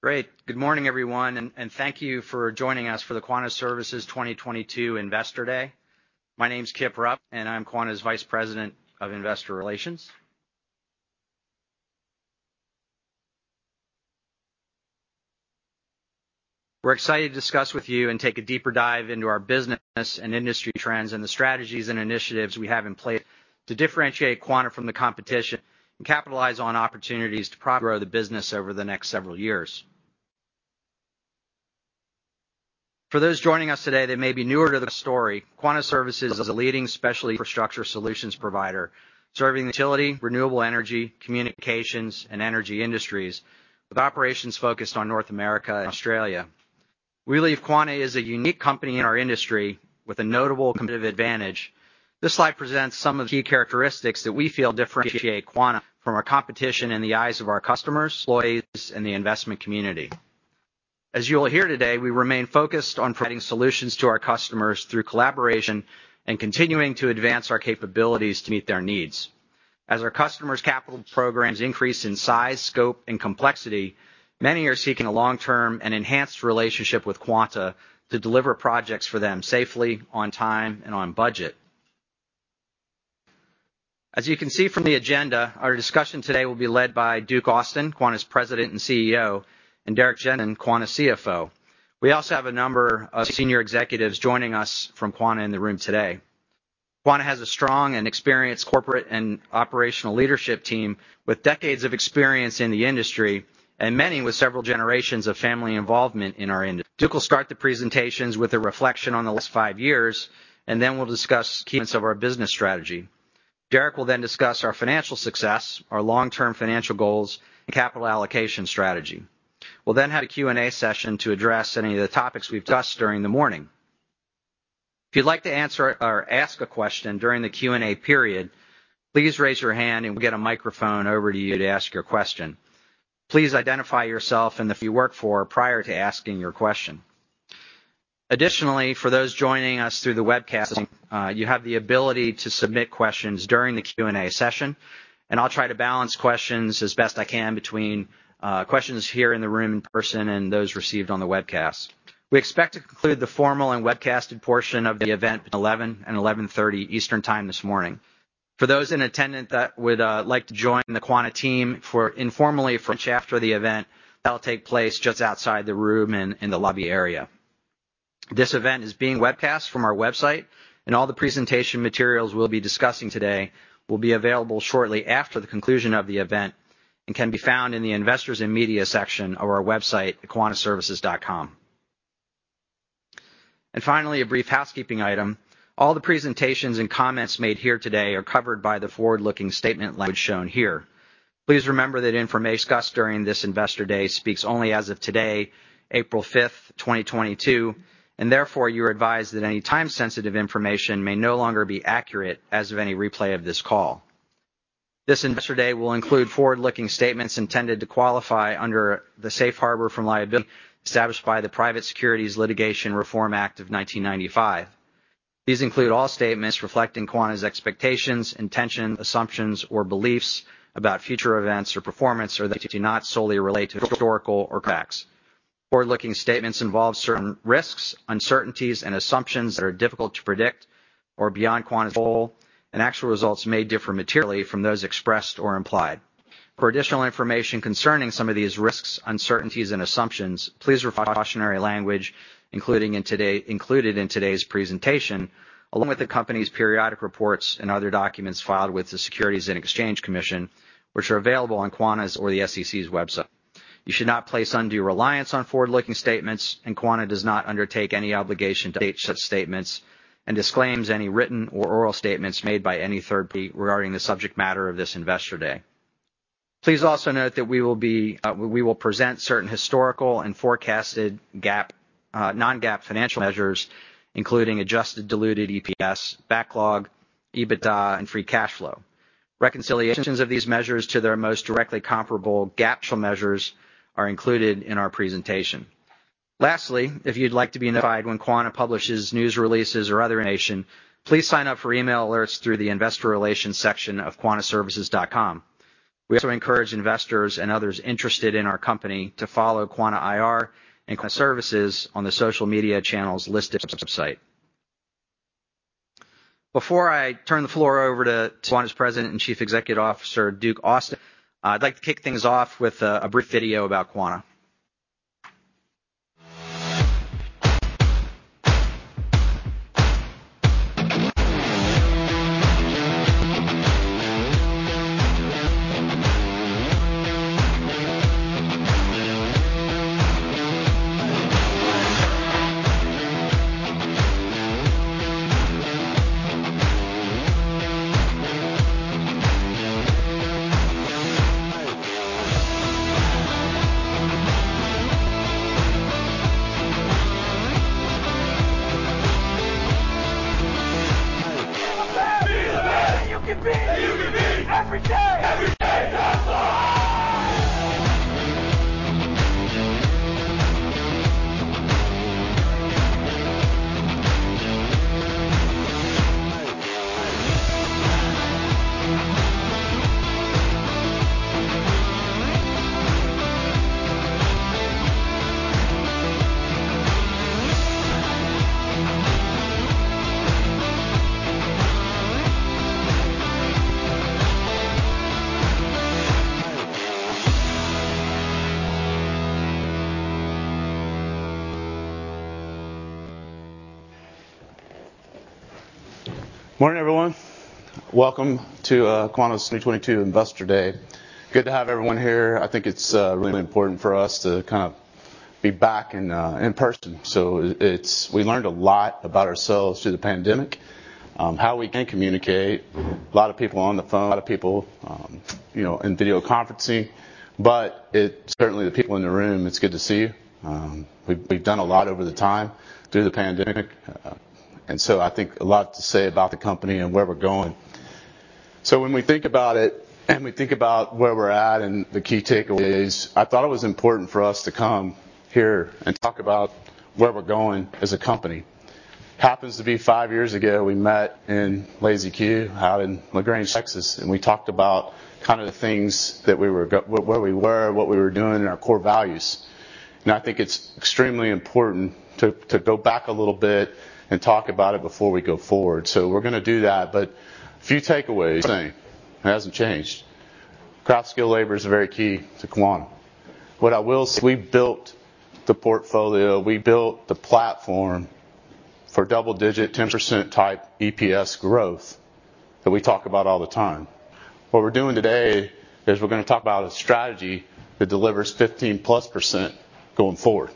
Great. Good morning, everyone, and thank you for joining us for the Quanta Services 2022 Investor Day. My name's Kip Rupp, and I'm Quanta's Vice President of Investor Relations. We're excited to discuss with you and take a deeper dive into our business and industry trends and the strategies and initiatives we have in place to differentiate Quanta from the competition and capitalize on opportunities to grow the business over the next several years. For those joining us today that may be newer to the story, Quanta Services is a leading specialty infrastructure solutions provider serving the utility, renewable energy, communications, and energy industries, with operations focused on North America and Australia. We believe Quanta is a unique company in our industry with a notable competitive advantage. This slide presents some of the key characteristics that we feel differentiate Quanta from our competition in the eyes of our customers, employees, and the investment community. As you'll hear today, we remain focused on providing solutions to our customers through collaboration and continuing to advance our capabilities to meet their needs. As our customers' capital programs increase in size, scope, and complexity, many are seeking a long-term and enhanced relationship with Quanta to deliver projects for them safely, on time, and on budget. As you can see from the agenda, our discussion today will be led by Duke Austin, Quanta's President and CEO, and Derrick Jensen, Quanta's CFO. We also have a number of senior executives joining us from Quanta in the room today. Quanta has a strong and experienced corporate and operational leadership team with decades of experience in the industry, and many with several generations of family involvement in our industry. Duke will start the presentations with a reflection on the last five years, and then we'll discuss key elements of our business strategy. Derrick will then discuss our financial success, our long-term financial goals, and capital allocation strategy. We'll then have a Q&A session to address any of the topics we've discussed during the morning. If you'd like to answer or ask a question during the Q&A period, please raise your hand and we'll get a microphone over to you to ask your question. Please identify yourself and who you work for prior to asking your question. Additionally, for those joining us through the webcast, you have the ability to submit questions during the Q&A session, and I'll try to balance questions as best I can between questions here in the room in person and those received on the webcast. We expect to conclude the formal and webcasted portion of the event between 11:00 A.M. and 11:30 A.M. Eastern Time this morning. For those in attendance that would like to join the Quanta team for informally for lunch after the event, that'll take place just outside the room in the lobby area. This event is being webcast from our website, and all the presentation materials we'll be discussing today will be available shortly after the conclusion of the event and can be found in the Investors and Media section of our website at quantaservices.com. Finally, a brief housekeeping item. All the presentations and comments made here today are covered by the forward-looking statement language shown here. Please remember that information discussed during this Investor Day speaks only as of today, April 5th, 2022, and therefore you're advised that any time-sensitive information may no longer be accurate as of any replay of this call. This Investor Day will include forward-looking statements intended to qualify under the safe harbor from liability established by the Private Securities Litigation Reform Act of 1995. These include all statements reflecting Quanta's expectations, intentions, assumptions, or beliefs about future events or performance, or that do not solely relate to historical or contracts. Forward-looking statements involve certain risks, uncertainties, and assumptions that are difficult to predict or beyond Quanta's control, and actual results may differ materially from those expressed or implied. For additional information concerning some of these risks, uncertainties, and assumptions, please refer to the cautionary language included in today's presentation, along with the company's periodic reports and other documents filed with the Securities and Exchange Commission, which are available on Quanta's or the SEC's website. You should not place undue reliance on forward-looking statements, and Quanta does not undertake any obligation to update such statements and disclaims any written or oral statements made by any third party regarding the subject matter of this Investor Day. Please also note that we will present certain historical and forecasted GAAP, non-GAAP financial measures, including adjusted diluted EPS, backlog, EBITDA, and free cash flow. Reconciliations of these measures to their most directly comparable GAAP measures are included in our presentation. Lastly, if you'd like to be notified when Quanta publishes news releases or other information, please sign up for email alerts through the Investor Relations section of quantaservices.com. We also encourage investors and others interested in our company to follow Quanta IR and Quanta Services on the social media channels listed on the website. Before I turn the floor over to Quanta's President and Chief Executive Officer, Duke Austin, I'd like to kick things off with a brief video about Quanta. Be the best. Be the best. That you can be. That you can be. Every day. Every day. That's right. Morning, everyone. Welcome to Quanta's 2022 Investor Day. Good to have everyone here. I think it's really important for us to kind of be back in person. We learned a lot about ourselves through the pandemic, how we can communicate. A lot of people on the phone, a lot of people, you know, in video conferencing, but certainly the people in the room, it's good to see you. We've done a lot over the time through the pandemic. I think a lot to say about the company and where we're going. When we think about it and we think about where we're at and the key takeaways, I thought it was important for us to come here and talk about where we're going as a company. Happens to be years ago, we met in Lazy Q out in La Grange, Texas, and we talked about kind of the things that we were where we were, what we were doing, and our core values. I think it's extremely important to go back a little bit and talk about it before we go forward. We're gonna do that, but a few takeaways. Same. It hasn't changed. Craft skill labor is very key to Quanta. What I will say, we built the portfolio, we built the platform for double-digit, 10% type EPS growth that we talk about all the time. What we're doing today is we're gonna talk about a strategy that delivers 15%+ going forward.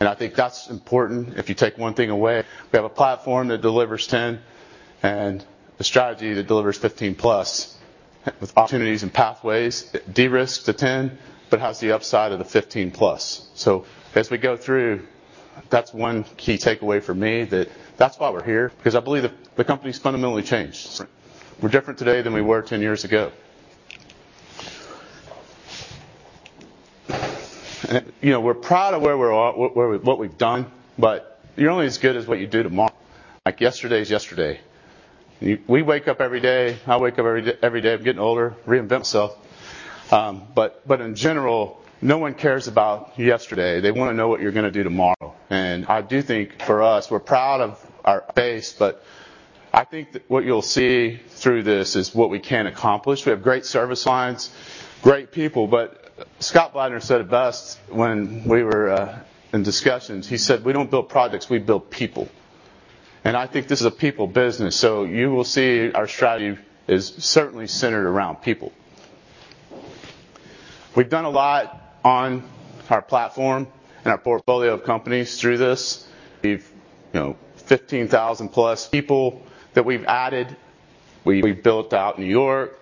I think that's important if you take one thing away. We have a platform that delivers 10% and a strategy that delivers 15%+ with opportunities and pathways. It de-risks the 10, but has the upside of the 15%+. As we go through, that's one key takeaway for me that that's why we're here, because I believe the company's fundamentally changed. We're different today than we were 10 years ago. You know, we're proud of what we've done, but you're only as good as what you do tomorrow. Like, yesterday is yesterday. We wake up every day, I wake up every day of getting older, reinvent myself. But in general, no one cares about yesterday. They wanna know what you're gonna do tomorrow. I do think for us, we're proud of our base, but I think that what you'll see through this is what we can accomplish. We have great service lines, great people, but Scott Blattner said it best when we were in discussions. He said, "We don't build projects, we build people." I think this is a people business, so you will see our strategy is certainly centered around people. We've done a lot on our platform and our portfolio of companies through this. We've 15,000 plus people that we've added. We've built out New York,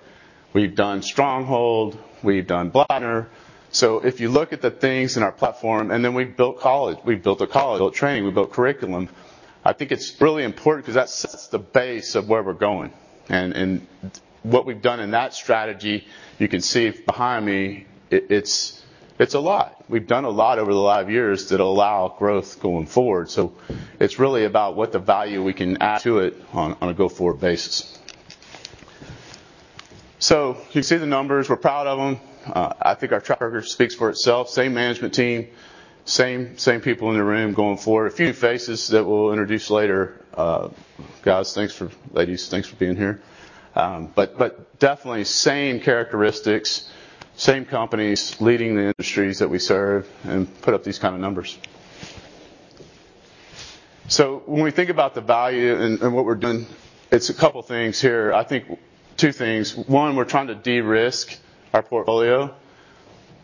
we've done Stronghold, we've done Blattner. If you look at the things in our platform, and then we've built a college, built training, we've built curriculum. I think it's really important 'cause that sets the base of where we're going. What we've done in that strategy, you can see behind me, it's a lot. We've done a lot over the last five years that allow growth going forward, so it's really about what the value we can add to it on a go-forward basis. You see the numbers. We're proud of them. I think our track record speaks for itself. Same management team, same people in the room going forward. A few faces that we'll introduce later. Ladies, thanks for being here. But definitely same characteristics, same companies leading the industries that we serve and put up these kind of numbers. When we think about the value and what we're doing, it's a couple things here. I think two things. One, we're trying to de-risk our portfolio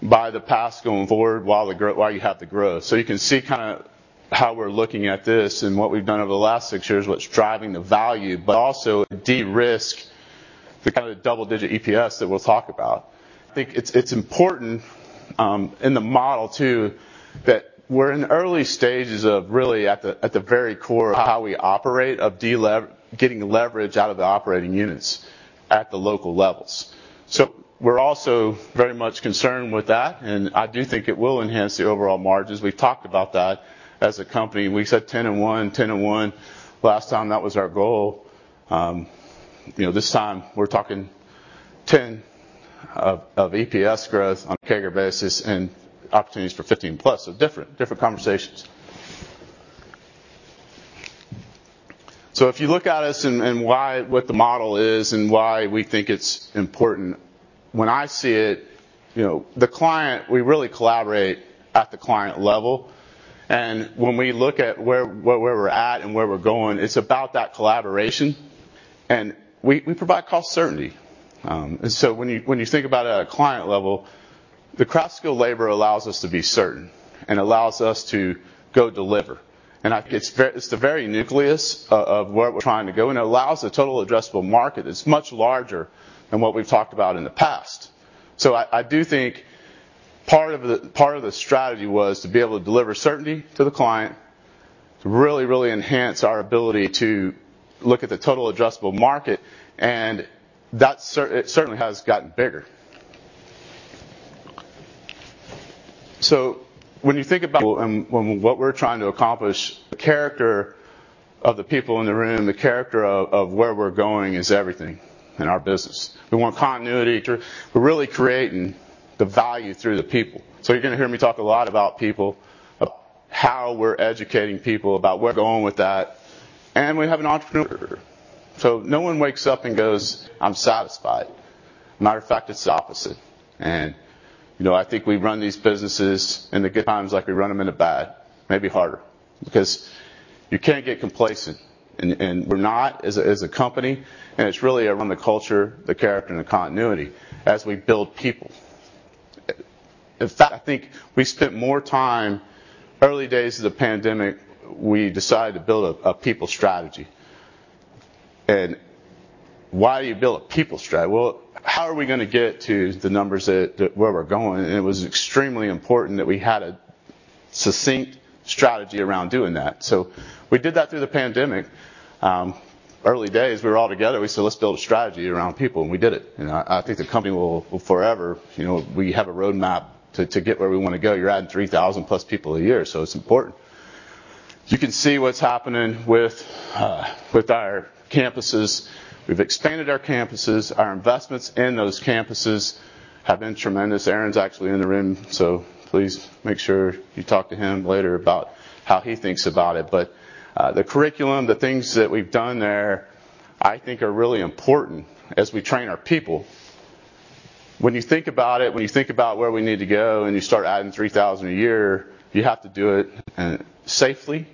building on the past going forward while you have the growth. You can see kinda how we're looking at this and what we've done over the last six years, what's driving the value, but also de-risk the kind of double-digit EPS that we'll talk about. I think it's important in the model too that we're in early stages of really at the very core of how we operate, of getting leverage out of the operating units at the local levels. We're also very much concerned with that, and I do think it will enhance the overall margins. We've talked about that as a company. We said 10% and 1%. Last time that was our goal. You know, this time we're talking 10% EPS growth on a CAGR basis and opportunities for 15%+. Different conversations. If you look at us and what the model is and why we think it's important, when I see it, you know, the client, we really collaborate at the client level. When we look at where we're at and where we're going, it's about that collaboration, and we provide cost certainty. When you think about it at a client level, the craft skill labor allows us to be certain and allows us to go deliver. I think it's the very nucleus of where we're trying to go, and it allows the total addressable market is much larger than what we've talked about in the past. I do think part of the strategy was to be able to deliver certainty to the client, to really enhance our ability to look at the total addressable market, and it certainly has gotten bigger. When you think about what we're trying to accomplish, the character of the people in the room, the character of where we're going is everything in our business. We want continuity. We're really creating the value through the people. You're gonna hear me talk a lot about people, about how we're educating people, about where we're going with that, and we have an entrepreneur. No one wakes up and goes, "I'm satisfied." Matter of fact, it's the opposite. You know, I think we run these businesses in the good times like we run them in the bad, maybe harder, because you can't get complacent and we're not as a company, and it's really around the culture, the character, and the continuity as we build people. In fact, I think we spent more time in the early days of the pandemic; we decided to build a people strategy. Why do you build a people strategy? Well, how are we gonna get to the numbers to where we're going? It was extremely important that we had a succinct strategy around doing that. We did that through the pandemic. In the early days, we were all together. We said, "Let's build a strategy around people," and we did it. You know, I think the company will forever, you know, we have a roadmap to get where we wanna go. You're adding 3,000+ people a year, so it's important. You can see what's happening with our campuses. We've expanded our campuses. Our investments in those campuses have been tremendous. Aaron's actually in the room, so please make sure you talk to him later about how he thinks about it. The curriculum, the things that we've done there, I think are really important as we train our people. When you think about it, when you think about where we need to go, and you start adding 3,000 a year, you have to do it safely,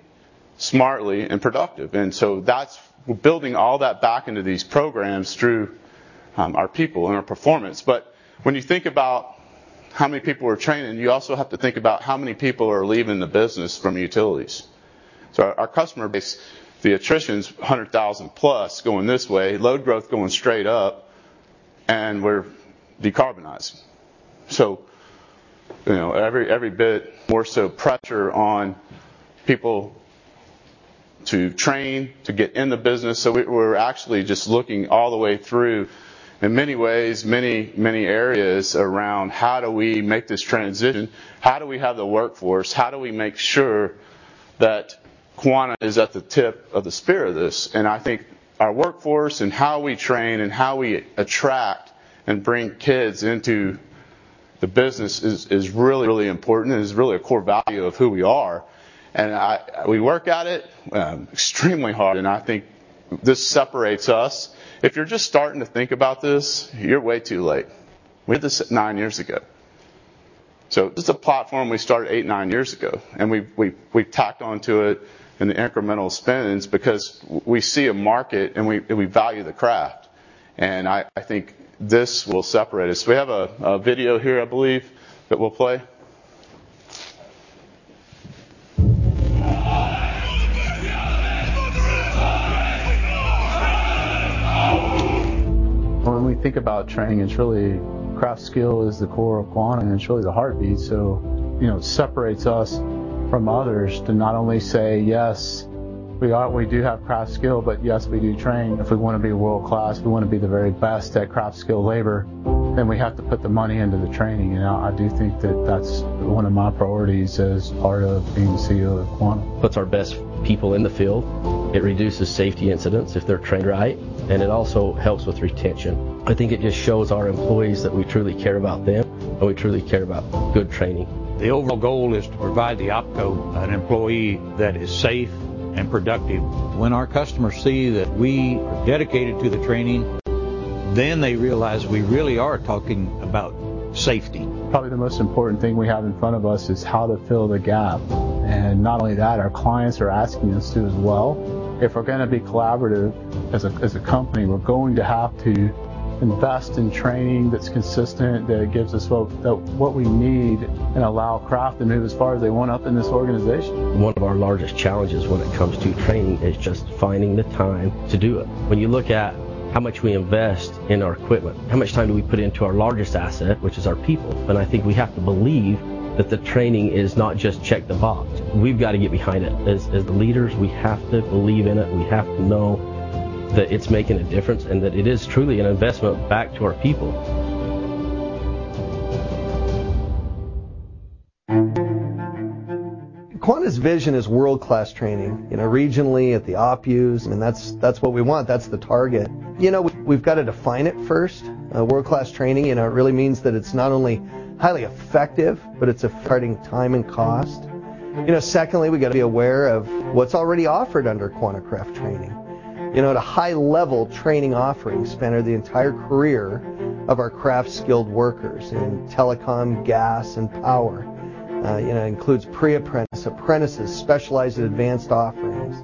smartly, and productive. We're building all that back into these programs through our people and our performance. When you think about how many people we're training, you also have to think about how many people are leaving the business from utilities. Our customer base, the attrition is 100,000+ going this way, load growth going straight up, and we're decarbonizing. You know, every bit more so pressure on people to train to get in the business. We're actually just looking all the way through in many ways, many areas around how do we make this transition? How do we have the workforce? How do we make sure that Quanta is at the tip of the spear of this? I think our workforce and how we train and how we attract and bring kids into the business is really important and is really a core value of who we are. We work at it extremely hard, and I think this separates us. If you're just starting to think about this, you're way too late. We did this nine years ago. This is a platform we started eight, nine years ago, and we've tacked onto it in the incremental spends because we see a market and we value the craft, and I think this will separate us. We have a video here, I believe, that we'll play. When we think about training, it's really craft skill is the core of Quanta, and it's really the heartbeat, so, you know, separates us from others to not only say, "Yes, we do have craft skill," but, "Yes, we do train." If we wanna be world-class, we wanna be the very best at craft skill labor, then we have to put the money into the training. You know, I do think that that's one of my priorities as part of being the CEO of Quanta. Puts our best people in the field. It reduces safety incidents if they're trained right, and it also helps with retention. I think it just shows our employees that we truly care about them, and we truly care about good training. The overall goal is to provide the OpCo an employee that is safe and productive. When our customers see that we are dedicated to the training, they realize we really are talking about safety. Probably the most important thing we have in front of us is how to fill the gap. Not only that, our clients are asking us to as well. If we're gonna be collaborative as a company, we're going to have to invest in training that's consistent, that gives us what we need, and allow craft to move as far as they want up in this organization. One of our largest challenges when it comes to training is just finding the time to do it. When you look at how much we invest in our equipment, how much time do we put into our largest asset, which is our people? I think we have to believe that the training is not just check the box. We've got to get behind it. As the leaders, we have to believe in it. We have to know that it's making a difference and that it is truly an investment back to our people. Quanta's vision is world-class training, you know, regionally at the OpCos, and that's what we want. That's the target. You know, we've got to define it first. World-class training, you know, it really means that it's not only highly effective, but it's affecting time and cost. You know, secondly, we got to be aware of what's already offered under Quanta Craft Training. You know, at a high level, training offerings span the entire career of our craft-skilled workers in telecom, gas, and power. You know, includes pre-apprentice, apprentices, specialized and advanced offerings.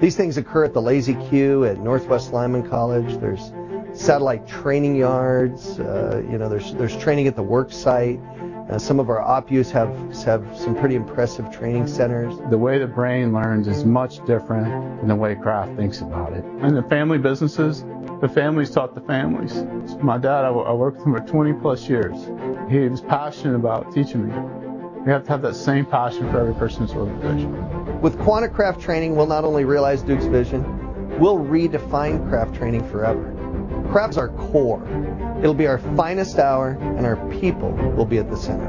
These things occur at the Lazy Q, at Northwest Lineman College. There's satellite training yards. You know, there's training at the work site. Some of our OpCos have some pretty impressive training centers. The way the brain learns is much different than the way craft thinks about it. In the family businesses, the families taught the families. My dad, I worked for him for 20-plus years. He was passionate about teaching me. We have to have that same passion for every person in this organization. With Quanta Craft Training, we'll not only realize Duke's vision, we'll redefine craft training forever. Craft is our core. It'll be our finest hour, and our people will be at the center.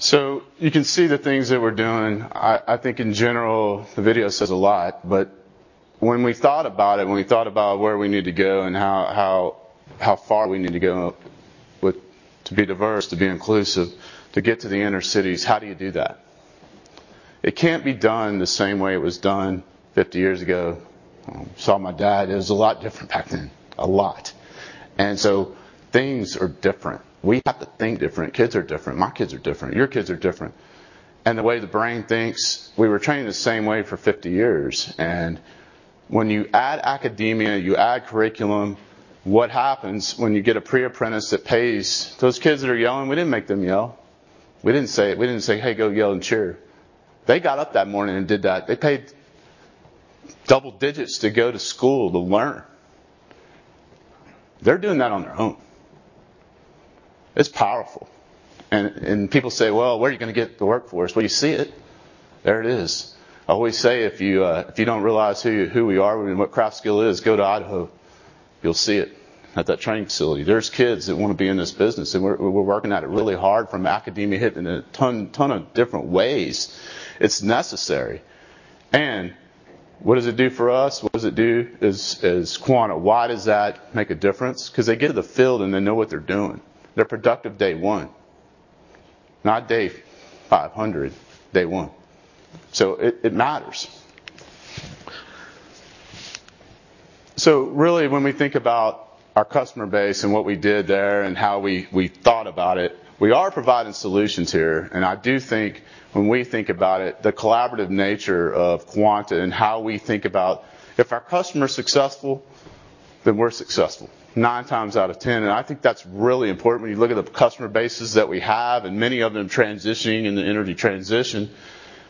So you can see the things that we're doing. I think in general, the video says a lot, but when we thought about it, when we thought about where we need to go and how far we need to go with to be diverse, to be inclusive, to get to the inner cities, how do you do that? It can't be done the same way it was done 50 years ago. I saw my dad. It was a lot different back then, a lot. Things are different. We have to think different. Kids are different. My kids are different. Your kids are different. The way the brain thinks, we were trained the same way for 50 years. When you add academia, you add curriculum, what happens when you get a pre-apprentice that pays those kids that are yelling? We didn't make them yell. We didn't say, "Hey, go yell and cheer." They got up that morning and did that. They paid double digits to go to school to learn. They're doing that on their own. It's powerful. People say, "Well, where are you gonna get the workforce?" Well, you see it. There it is. I always say, if you don't realize who we are and what Craftskill is, go to Idaho. You'll see it at that training facility. There's kids that wanna be in this business, and we're working at it really hard from academia, hitting a ton of different ways. It's necessary. What does it do for us? What does it do as Quanta? Why does that make a difference? 'Cause they get in the field, and they know what they're doing. They're productive day one. Not day 500, day one. It matters. Really, when we think about our customer base and what we did there and how we thought about it, we are providing solutions here. I do think when we think about it, the collaborative nature of Quanta and how we think about if our customer's successful, then we're successful nine times out of ten. I think that's really important when you look at the customer bases that we have and many of them transitioning in the energy transition.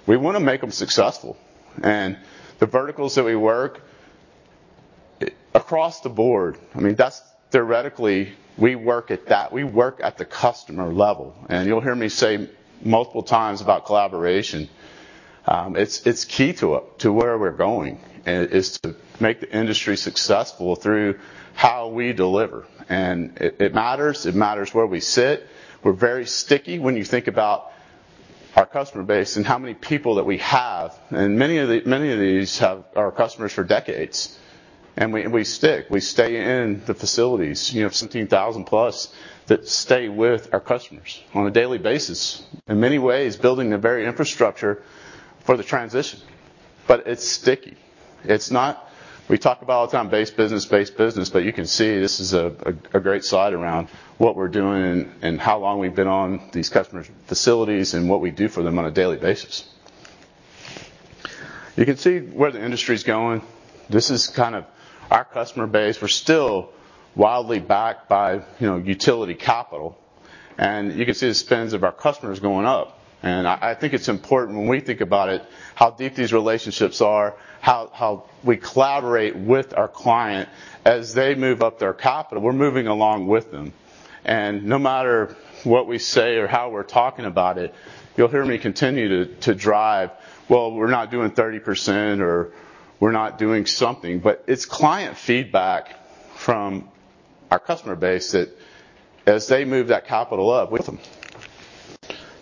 We wanna make them successful. The verticals that we work across the board, I mean, that's theoretically we work at that. We work at the customer level, and you'll hear me say multiple times about collaboration. It's key to where we're going and is to make the industry successful through how we deliver, and it matters. It matters where we sit. We're very sticky when you think about our customer base and how many people that we have. Many of these are customers for decades, and we stick. We stay in the facilities, you know, 17,000+ that stay with our customers on a daily basis, in many ways building the very infrastructure for the transition. It's sticky. It's not. We talk about all the time base business, but you can see this is a great slide around what we're doing and how long we've been on these customers' facilities and what we do for them on a daily basis. You can see where the industry's going. This is kind of our customer base. We're still widely backed by, you know, utility capital, and you can see the spends of our customers going up. I think it's important when we think about it, how deep these relationships are, how we collaborate with our clients as they ramp up their capital. We're moving along with them. No matter what we say or how we're talking about it, you'll hear me continue to drive, well, we're not doing 30% or we're not doing something, but it's client feedback from our customer base that as they move that capital up with them.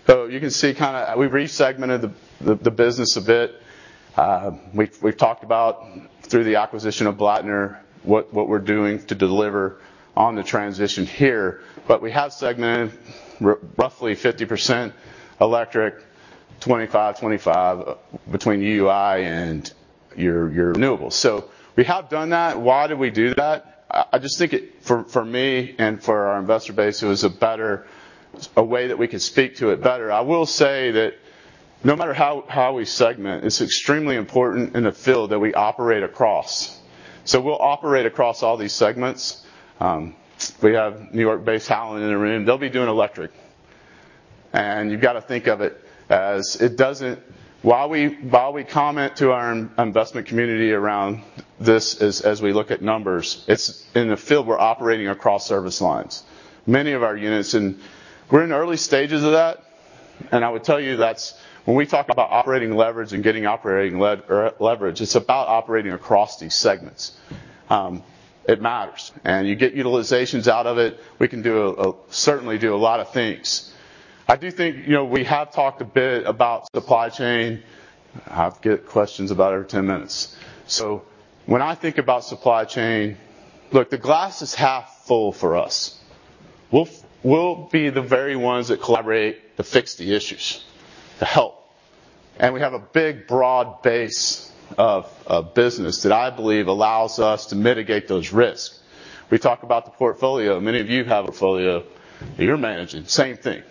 You can see kinda we re-segmented the business a bit. We've talked about through the acquisition of Blattner what we're doing to deliver on the transition here. But we have segmented roughly 50% electric, 25 between UUI and your renewables. We have done that. Why did we do that? I just think it, for me and for our investor base, it was a better way that we could speak to it better. I will say that no matter how we segment, it's extremely important in the field that we operate across. We'll operate across all these segments. We have New York-based talent in the room. They'll be doing electric. You've gotta think of it as while we comment to our investment community around this as we look at numbers, it's in the field we're operating across service lines. Many of our units in early stages of that, and I would tell you that's when we talk about operating leverage and getting operating leverage, it's about operating across these segments. It matters, and you get utilizations out of it. We can certainly do a lot of things. I do think, you know, we have talked a bit about supply chain. I get questions about it every 10 minutes. When I think about supply chain, look, the glass is half full for us. We'll be the very ones that collaborate to fix the issues, to help. We have a big, broad base of business that I believe allows us to mitigate those risks. We talk about the portfolio. Many of you have a portfolio that you're managing. Same thing.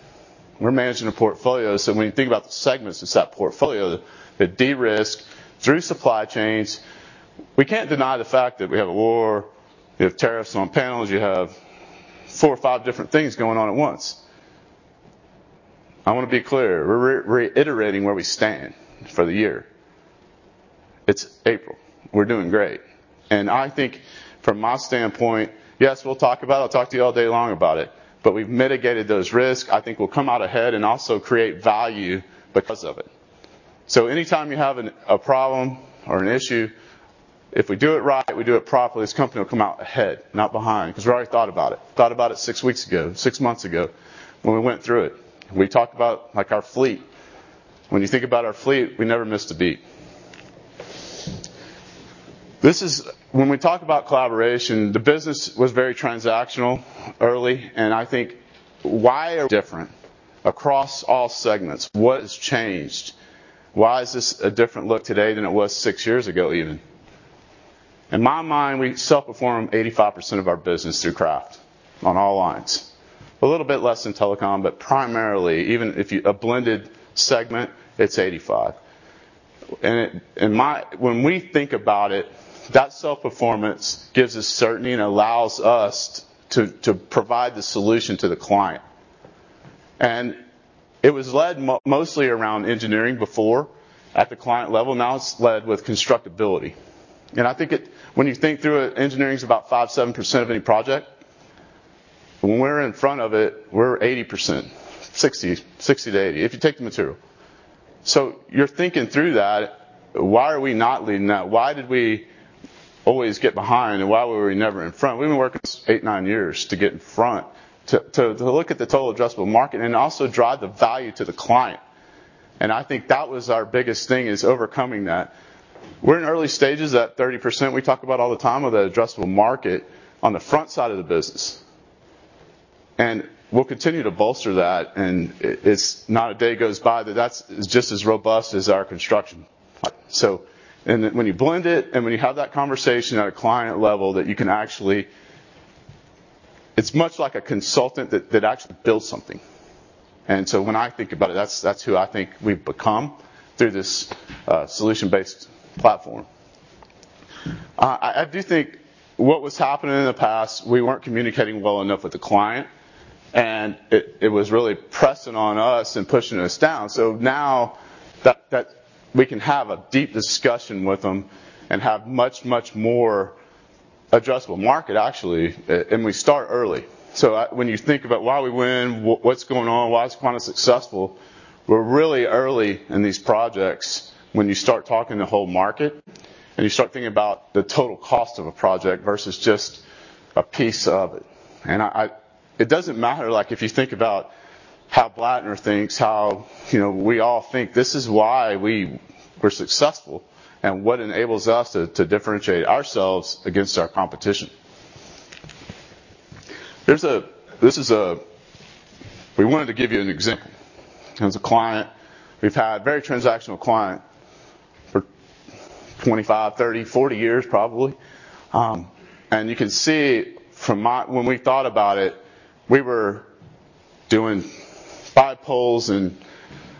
We're managing a portfolio. When you think about the segments, it's that portfolio that de-risks through supply chains. We can't deny the fact that we have a war, we have tariffs on panels. You have four or five different things going on at once. I wanna be clear, we're reiterating where we stand for the year. It's April. We're doing great. I think from my standpoint, yes, we'll talk about it. I'll talk to you all day long about it, but we've mitigated those risks. I think we'll come out ahead and also create value because of it. Anytime you have a problem or an issue, if we do it right, we do it properly, this company will come out ahead, not behind, 'cause we've already thought about it. Thought about it six weeks ago, six months ago when we went through it. We talked about, like, our fleet. When you think about our fleet, we never missed a beat. When we talk about collaboration, the business was very transactional early. I think why we're different across all segments? What has changed? Why is this a different look today than it was six years ago even? In my mind, we self-perform 85% of our business through craft on all lines. A little bit less in telecom, but primarily, a blended segment, it's 85%. When we think about it, that self-performance gives us certainty and allows us to provide the solution to the client. It was led mostly around engineering before at the client level. Now it's led with constructability. I think when you think through it, engineering's about 5%-7% of any project. When we're in front of it, we're 80%, 60%-80%, if you take the material. You're thinking through that, why are we not leading that? Why did we always get behind, and why were we never in front? We've been working eight-nine years to get in front to look at the total addressable market and also drive the value to the client. I think that was our biggest thing, is overcoming that. We're in early stages, that 30% we talk about all the time of that addressable market on the front side of the business. We'll continue to bolster that, and it's not a day goes by that that's just as robust as our construction. When you blend it, and when you have that conversation at a client level that you can actually. It's much like a consultant that actually builds something. When I think about it, that's who I think we've become through this solution-based platform. I do think what was happening in the past, we weren't communicating well enough with the client, and it was really pressing on us and pushing us down. Now that we can have a deep discussion with them and have much, much more addressable market, actually, and we start early. When you think about why we win, what's going on, why is Quanta successful, we're really early in these projects when you start talking the whole market and you start thinking about the total cost of a project versus just a piece of it. It doesn't matter, like, if you think about how Blattner thinks, you know, we all think. This is why we were successful and what enables us to differentiate ourselves against our competition. This is a. We wanted to give you an example. There's a client we've had very transactional client for 25, 30, 40 years probably, and you can see from when we thought about it, we were doing five poles in,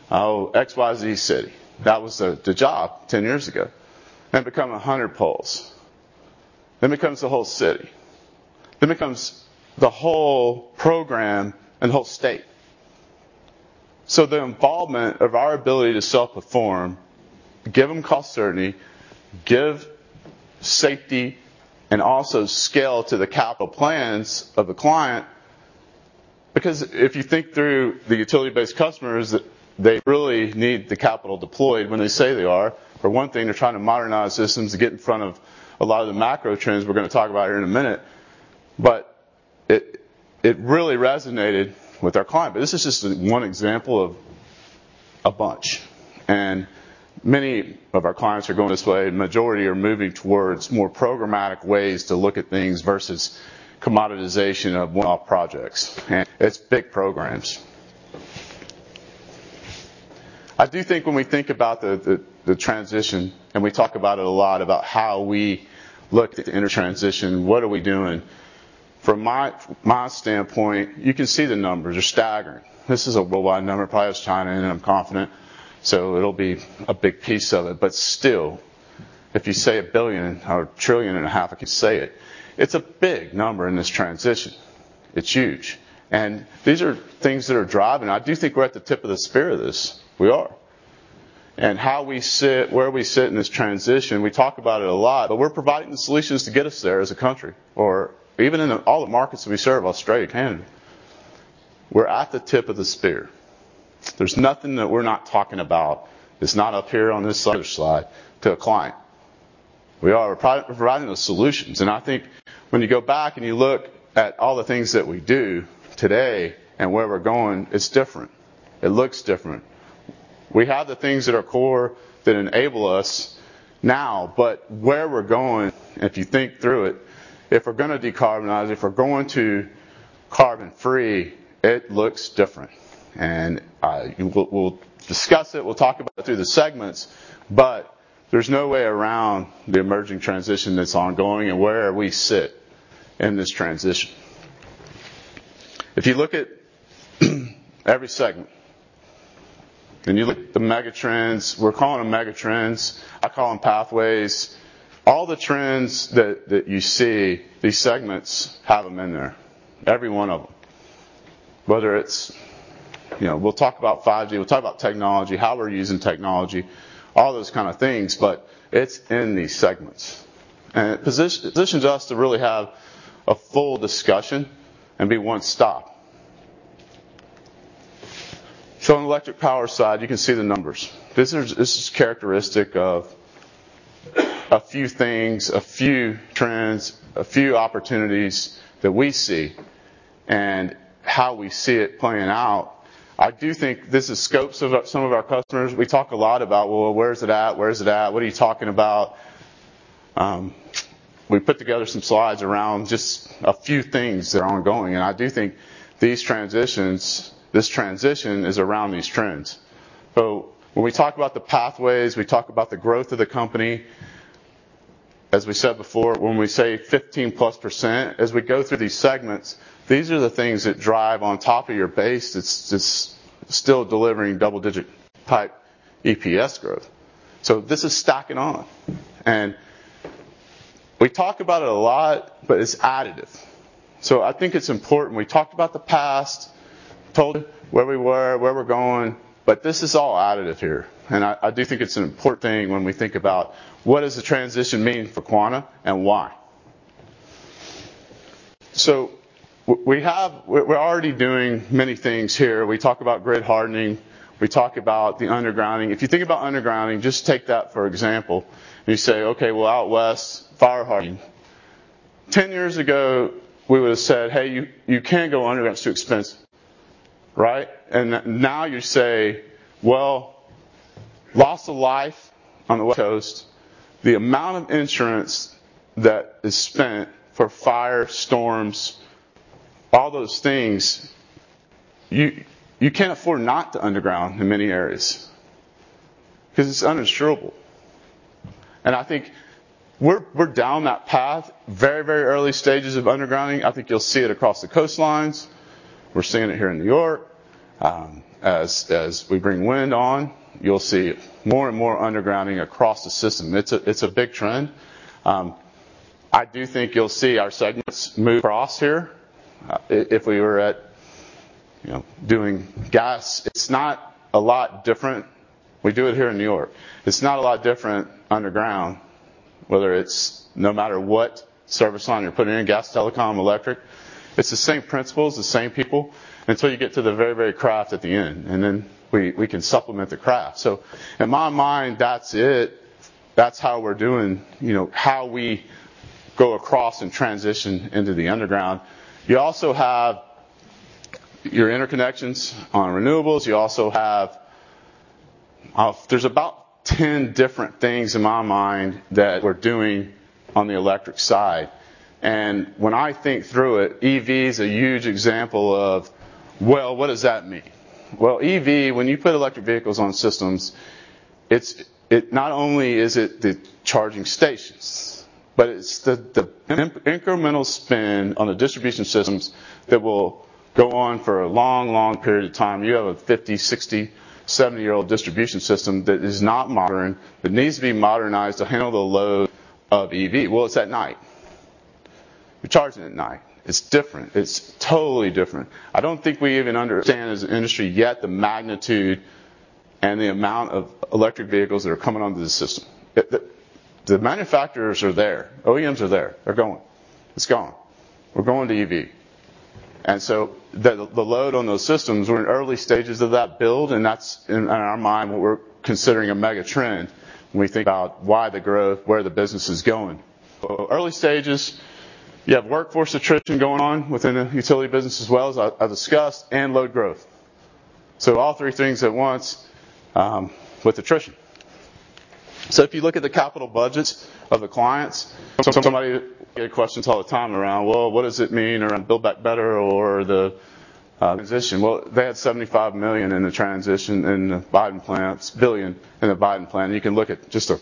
oh, X, Y, Z city. That was the job 10 years ago, and become 100 poles. Then becomes the whole city. Then becomes the whole program and whole state. The involvement of our ability to self-perform, give them cost certainty, give safety, and also scale to the capital plans of the client. Because if you think through the utility-based customers, they really need the capital deployed when they say they are. For one thing, they're trying to modernize systems to get in front of a lot of the macro trends we're going to talk about here in a minute. It really resonated with our client. This is just one example of a bunch. Many of our clients are going this way. Majority are moving towards more programmatic ways to look at things versus commoditization of one-off projects. It's big programs. I do think when we think about the transition, and we talk about it a lot about how we look at the energy transition, what are we doing. From my standpoint, you can see the numbers are staggering. This is a worldwide number. Probably has China in it, I'm confident. It'll be a big piece of it. Still, if you say 1 billion or 1.5 trillion, I can say it's a big number in this transition. It's huge. These are things that are driving. I do think we're at the tip of the spear of this. We are. Where we sit in this transition, we talk about it a lot, but we're providing the solutions to get us there as a country or even in all the markets that we serve, Australia, Canada. We're at the tip of the spear. There's nothing that we're not talking about that's not up here on this other slide to a client. We are providing the solutions. I think when you go back and you look at all the things that we do today and where we're going, it's different. It looks different. We have the things that are core that enable us now, but where we're going, if you think through it, if we're gonna decarbonize, if we're going to carbon free, it looks different. We'll discuss it, we'll talk about it through the segments, but there's no way around the emerging transition that's ongoing and where we sit in this transition. If you look at every segment, and you look at the megatrends, we're calling them megatrends. I call them pathways. All the trends that you see, these segments have them in there, every one of them. Whether it's, you know, we'll talk about 5G, we'll talk about technology, how we're using technology, all those kind of things, but it's in these segments. It positions us to really have a full discussion and be one stop. On the electric power side, you can see the numbers. This is characteristic of a few things, a few trends, a few opportunities that we see and how we see it playing out. I do think this is scopes of some of our customers. We talk a lot about, "Well, where is it at? Where is it at? What are you talking about?" We put together some slides around just a few things that are ongoing, and I do think these transitions, this transition is around these trends. When we talk about the pathways, we talk about the growth of the company. As we said before, when we say 15%+, as we go through these segments, these are the things that drive on top of your base that's still delivering double-digit type EPS growth. This is stacking on. We talk about it a lot, but it's additive. I think it's important. We talked about the past, told where we were, where we're going, but this is all additive here. I do think it's an important thing when we think about what does the transition mean for Quanta and why. We're already doing many things here. We talk about grid hardening. We talk about the undergrounding. If you think about undergrounding, just take that for example. You say, "Okay, well, out west, fire hardening." Ten years ago, we would have said, "Hey, you can't go underground. It's too expensive." Right. Now you say, "Well, loss of life on the West Coast, the amount of insurance that is spent for fire, storms, all those things, you can't afford not to underground in many areas because it's uninsurable." I think we're down that path, very early stages of undergrounding. I think you'll see it across the coastlines. We're seeing it here in New York. As we bring wind on, you'll see more and more undergrounding across the system. It's a big trend. I do think you'll see our segments move across here. If we were at, you know, doing gas, it's not a lot different. We do it here in New York. It's not a lot different underground, no matter what service line you're putting in, gas, telecom, electric. It's the same principles, the same people, until you get to the very craft at the end, and then we can supplement the craft. In my mind, that's it. That's how we're doing, you know, how we go across and transition into the underground. You also have your interconnections on renewables. There's about 10 different things in my mind that we're doing on the electric side. When I think through it, EV is a huge example of, well, what does that mean? Well, EV, when you put electric vehicles on systems, it's not only the charging stations, but it's the incremental spend on the distribution systems that will go on for a long, long period of time. You have a 50-, 60-, 70-year-old distribution system that is not modern, that needs to be modernized to handle the load of EV. Well, it's at night. You're charging at night. It's different. It's totally different. I don't think we even understand as an industry yet the magnitude and the amount of electric vehicles that are coming onto the system. The manufacturers are there. OEMs are there. They're going. It's gone. We're going to EV. The load on those systems, we're in early stages of that build, and that's in our mind what we're considering a mega trend when we think about why the growth, where the business is going. Early stages, you have workforce attrition going on within the utility business as well, as I discussed, and load growth. All three things at once, with attrition. If you look at the capital budgets of the clients, somebody get questions all the time around, "Well, what does it mean?" around Build Back Better or the transition. Well, they had $75 billion in the transition in the Biden plan. You can look at just a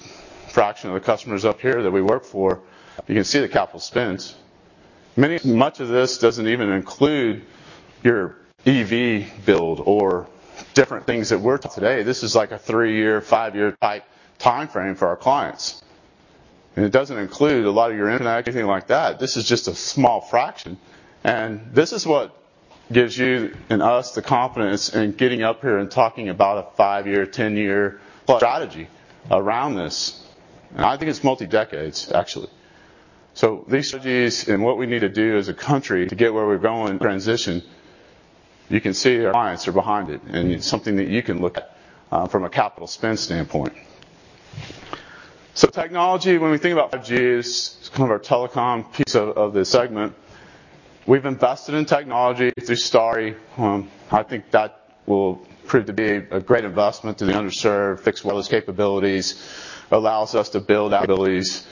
fraction of the customers up here that we work for. You can see the capital spends. Much of this doesn't even include your EV build or different things today. This is like a three-year, five-year type timeframe for our clients. It doesn't include a lot of your internet, anything like that. This is just a small fraction. This is what gives you and us the confidence in getting up here and talking about a five-year, 10-year strategy around this. I think it's multi-decades, actually. These strategies and what we need to do as a country to get where we're going transition, you can see our clients are behind it, and it's something that you can look at from a capital spend standpoint. Technology, when we think about 5G, it's kind of our telecom piece of the segment. We've invested in technology through Starry. I think that will prove to be a great investment to the underserved, fixed wireless capabilities, allows us to build out abilities,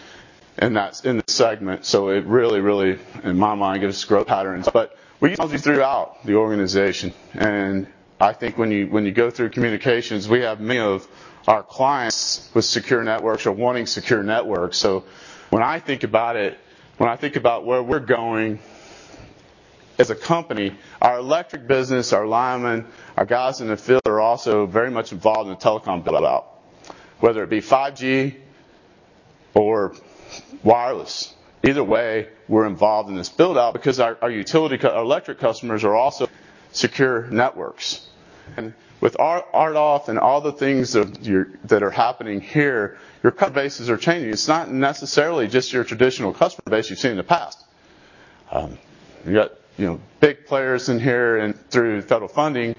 and that's in the segment. It really, in my mind, gives us growth patterns. We use technology throughout the organization, and I think when you go through communications, we have many of our clients with secure networks or wanting secure networks. When I think about where we're going as a company, our electric business, our linemen, our guys in the field are also very much involved in the telecom build-out, whether it be 5G or wireless. Either way, we're involved in this build-out because our utility electric customers are also secure networks. With RDOF and all the things that are happening here, your customer bases are changing. It's not necessarily just your traditional customer base you've seen in the past. You got, you know, big players in here and through federal funding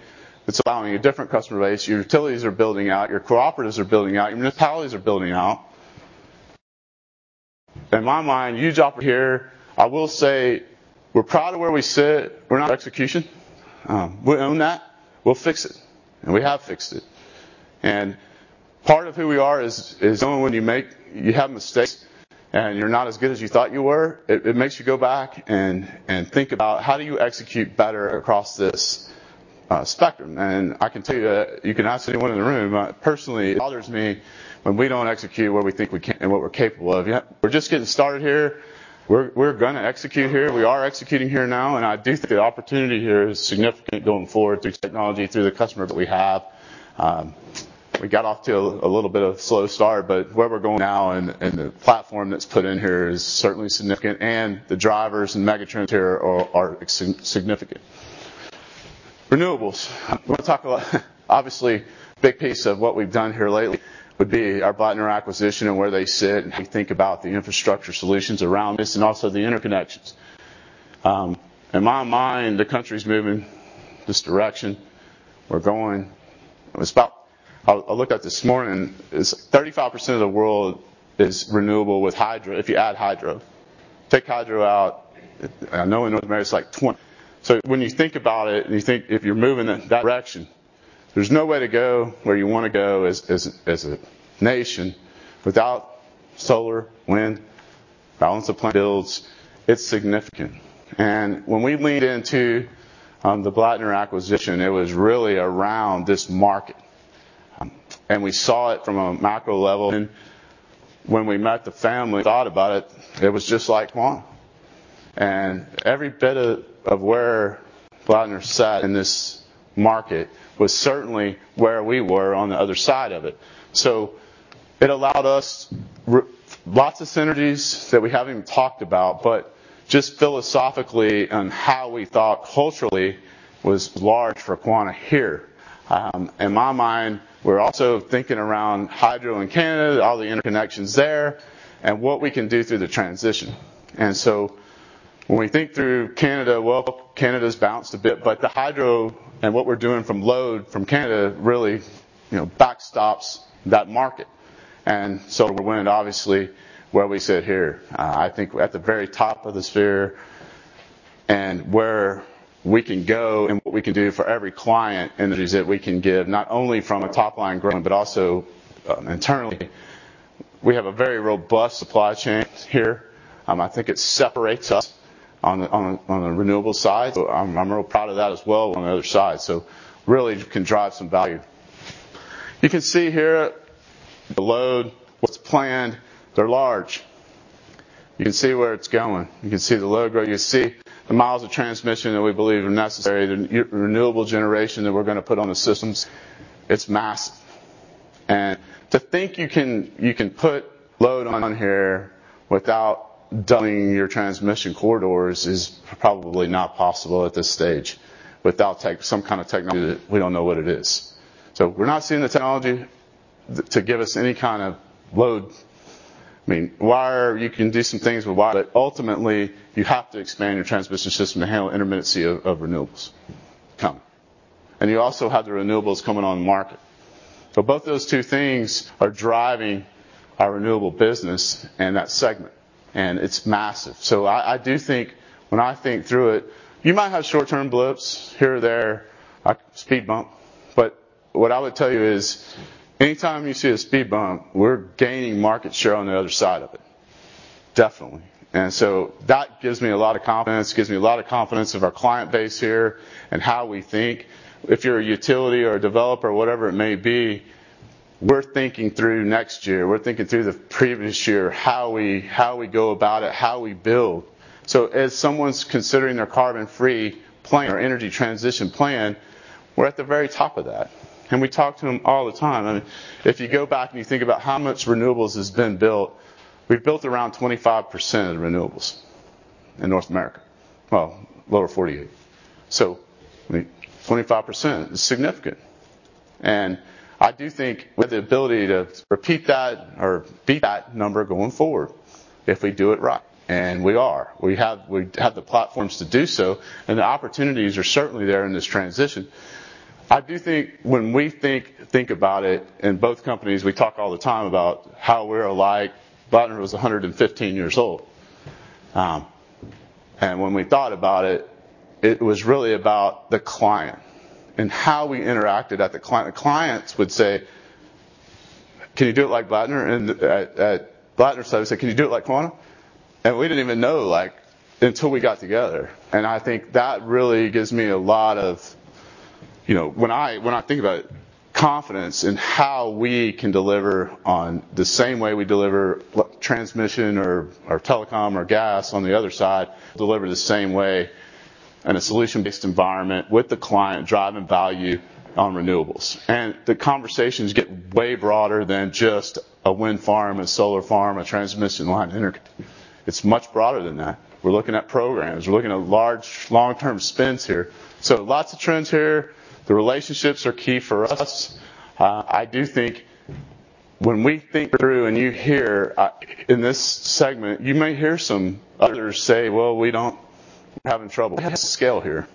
that's allowing a different customer base. Your utilities are building out, your cooperatives are building out, your municipalities are building out. In my mind, huge opportunity here. I will say we're proud of where we sit. We're not execution. We own that. We'll fix it, and we have fixed it. Part of who we are is only when you have mistakes, and you're not as good as you thought you were, it makes you go back and think about how do you execute better across this spectrum. I can tell you that you can ask anyone in the room. Personally, it bothers me when we don't execute what we think we can and what we're capable of. Yeah, we're just getting started here. We're gonna execute here. We are executing here now, and I do think the opportunity here is significant going forward through technology, through the customer that we have. We got off to a little bit of a slow start, but where we're going now and the platform that's put in here is certainly significant, and the drivers and mega trends here are significant. Renewables. I'm gonna talk about obviously big piece of what we've done here lately would be our Blattner acquisition and where they sit and how we think about the infrastructure solutions around this and also the interconnections. In my mind, the country's moving this direction. We're going. It's about. I looked it up this morning, it is 35% of the world is renewable with hydro, if you add hydro. Take hydro out, I know in North America it's like 20%. When you think about it, and you think if you're moving in that direction, there's no way to go where you wanna go as a nation without solar, wind, balance of builds. It's significant. When we leaned into the Blattner acquisition, it was really around this market, and we saw it from a macro level. When we met the family, thought about it was just like Quanta. Every bit of where Blattner sat in this market was certainly where we were on the other side of it. It allowed us lots of synergies that we haven't even talked about, but just philosophically on how we thought culturally was large for Quanta here. In my mind, we're also thinking around hydro in Canada, all the interconnections there, and what we can do through the transition. When we think through Canada, well, Canada's bounced a bit, but the hydro and what we're doing from load from Canada really, you know, backstops that market. Solar wind, obviously, where we sit here, I think at the very top of the sphere and where we can go and what we can do for every client, synergies that we can give, not only from a top-line growth, but also internally. We have a very robust supply chain here. I think it separates us on the renewable side. I'm real proud of that as well on the other side. Really can drive some value. You can see here the load, what's planned, they're large. You can see where it's going. You can see the load growth. You see the miles of transmission that we believe are necessary, the renewable generation that we're gonna put on the systems. It's massive. To think you can put load on here without doubling your transmission corridors is probably not possible at this stage without some kind of technology that we don't know what it is. We're not seeing the technology to give us any kind of load. I mean, wire, you can do some things with wire, but ultimately, you have to expand your transmission system to handle intermittency of renewables coming. You also have the renewables coming on the market. Both those two things are driving our renewable business and that segment, and it's massive. I do think when I think through it, you might have short-term blips here or there, a speed bump. What I would tell you is anytime you see a speed bump, we're gaining market share on the other side of it. Definitely. That gives me a lot of confidence. It gives me a lot of confidence of our client base here and how we think. If you're a utility or a developer, whatever it may be, we're thinking through next year. We're thinking through the previous year, how we go about it, how we build. As someone's considering their carbon-free plan or energy transition plan, we're at the very top of that, and we talk to them all the time. I mean, if you go back and you think about how much renewables has been built, we've built around 25% of renewables in North America. Well, lower 48%. I mean, 25% is significant. I do think with the ability to repeat that or beat that number going forward, if we do it right, and we are. We have the platforms to do so, and the opportunities are certainly there in this transition. I do think when we think about it, in both companies, we talk all the time about how we're alike. Blattner was 115 years old. When we thought about it was really about the client and how we interacted at the client. The clients would say, "Can you do it like Blattner?" At Blattner, I would say, "Can you do it like Quanta?" We didn't even know, like, until we got together. I think that really gives me a lot of confidence. You know, when I think about confidence in how we can deliver on the same way we deliver transmission or telecom or gas on the other side, deliver the same way in a solution-based environment with the client driving value on renewables. The conversations get way broader than just a wind farm, a solar farm, a transmission line interconnect. It's much broader than that. We're looking at programs. We're looking at large long-term spends here. Lots of trends here. The relationships are key for us. I do think when we think through and you hear, in this segment, you may hear some others say, "Well, we're having trouble." We have scale here,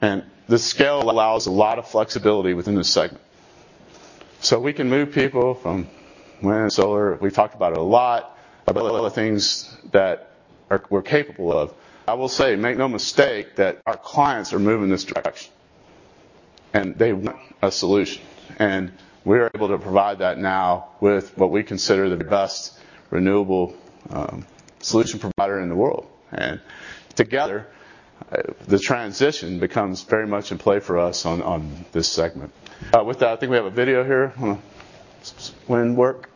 and the scale allows a lot of flexibility within the segment. We can move people from wind, solar. We've talked about it a lot, about all the things that we're capable of. I will say, make no mistake that our clients are moving this direction, and they want a solution. We're able to provide that now with what we consider the best renewable, solution provider in the world. Together, the transition becomes very much in play for us on this segment. With that, I think we have a video here on wind work,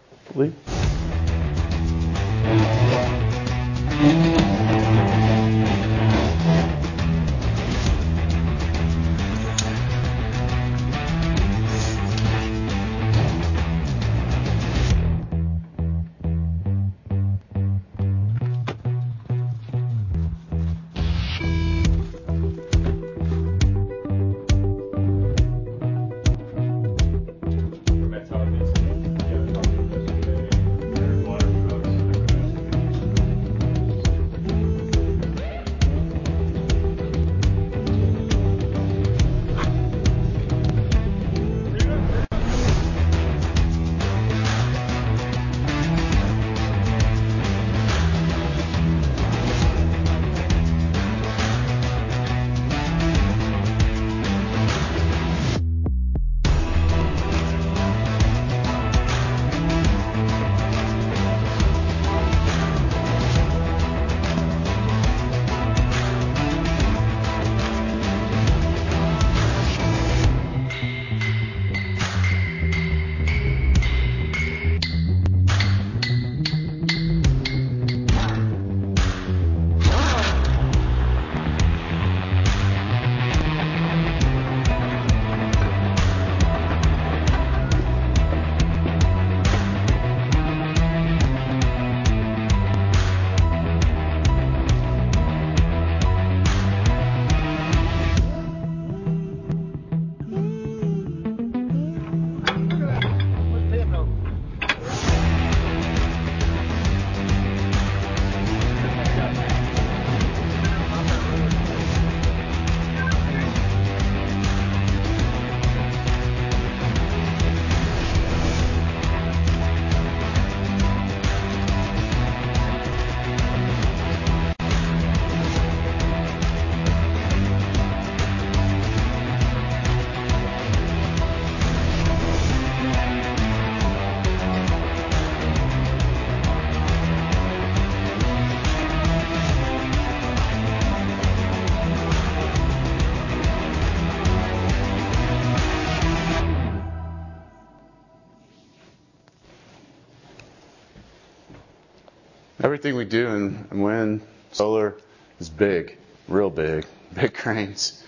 please. Everything we do in wind, solar is big, real big. Big cranes.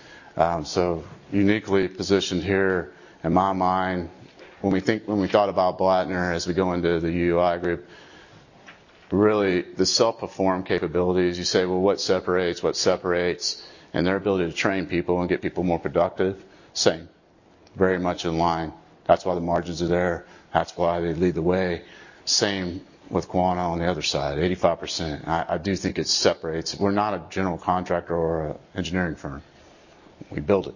Uniquely positioned here in my mind when we thought about Blattner as we go into the UUI group, really the self-perform capabilities, you say, "Well, what separates?" Their ability to train people and get people more productive, same. Very much in line. That's why the margins are there. That's why they lead the way. Same with Quanta on the other side, 85%. I do think it separates. We're not a general contractor or a engineering firm. We build it.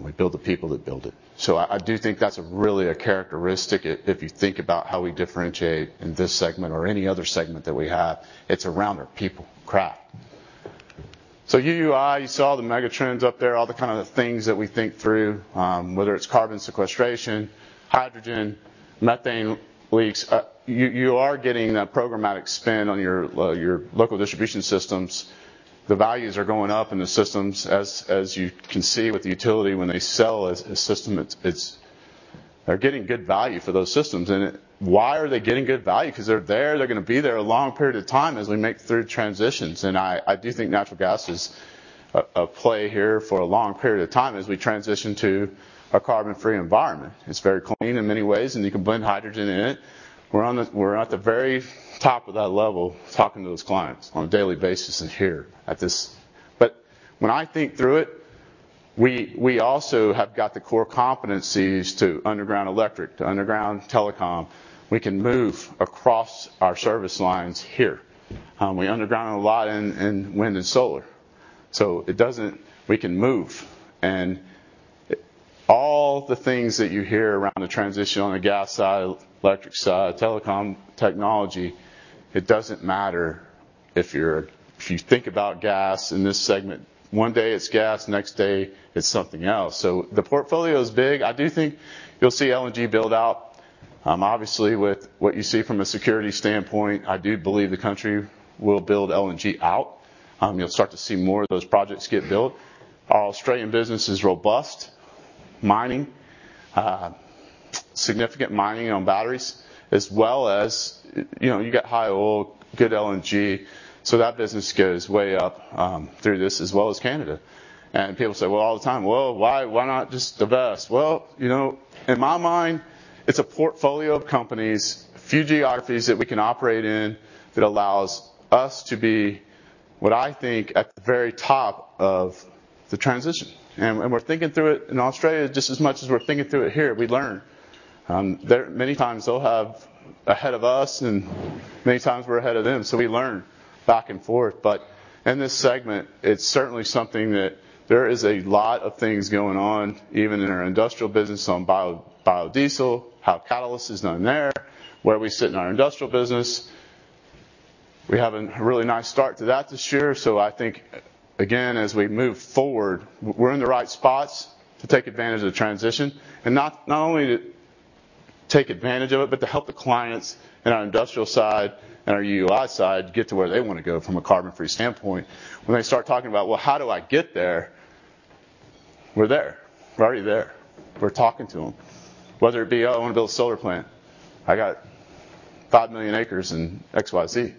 We build the people that build it. I do think that's really a characteristic if you think about how we differentiate in this segment or any other segment that we have. It's around our people craft. UUI, you saw the mega trends up there, all the kinda things that we think through, whether it's carbon sequestration, hydrogen, methane leaks. You are getting a programmatic spend on your local distribution systems. The values are going up in the systems. As you can see with the utility, when they sell a system, it's they're getting good value for those systems. Why are they getting good value? 'Cause they're there. They're gonna be there a long period of time as we make through transitions. I do think natural gas is a play here for a long period of time as we transition to a carbon-free environment. It's very clean in many ways, and you can blend hydrogen in it. We're at the very top of that level talking to those clients on a daily basis here at this. When I think through it, we also have got the core competencies to underground electric, to underground telecom. We can move across our service lines here. We underground a lot in wind and solar. We can move. All the things that you hear around the transition on the gas side, electric side, telecom technology, it doesn't matter if you think about gas in this segment. One day it's gas, next day it's something else. The portfolio is big. I do think you'll see LNG build out. Obviously, with what you see from a security standpoint, I do believe the country will build LNG out. You'll start to see more of those projects get built. Our Australian business is robust. Mining, significant mining on batteries as well as, you know, you got high oil, good LNG, so that business goes way up through this as well as Canada. People say, well, all the time, "Well, why? Why not just divest?" Well, you know, in my mind, it's a portfolio of companies, a few geographies that we can operate in that allows us to be what I think at the very top of the transition, and we're thinking through it in Australia just as much as we're thinking through it here. We learn. Many times they'll have ahead of us and many times we're ahead of them, so we learn back and forth. In this segment, it's certainly something that there is a lot of things going on, even in our industrial business on bio, biodiesel, how catalyst is done there, where we sit in our industrial business. We have a really nice start to that this year, so I think again, as we move forward, we're in the right spots to take advantage of the transition, and not only to take advantage of it, but to help the clients in our industrial side and our UI side get to where they wanna go from a carbon-free standpoint. When they start talking about, "Well, how do I get there?" We're there. We're already there. We're talking to them. Whether it be, "Oh, I wanna build a solar plant. I got 5 million acres in X, Y, Z,"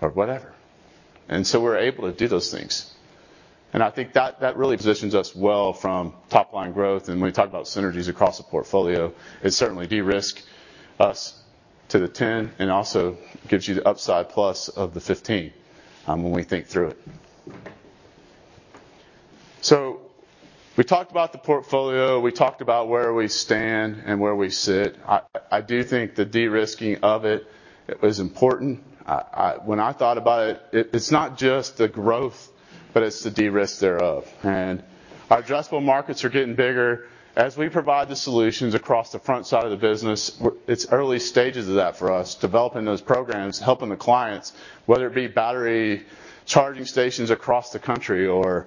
or whatever. We're able to do those things. I think that really positions us well from top-line growth, and when we talk about synergies across the portfolio, it certainly de-risks us to the 10% and also gives you the upside plus of the 15%, when we think through it. We talked about the portfolio. We talked about where we stand and where we sit. I do think the de-risking of it is important. When I thought about it's not just the growth, but it's the de-risk thereof. Our addressable markets are getting bigger. As we provide the solutions across the front side of the business, it's early stages of that for us, developing those programs, helping the clients, whether it be battery charging stations across the country or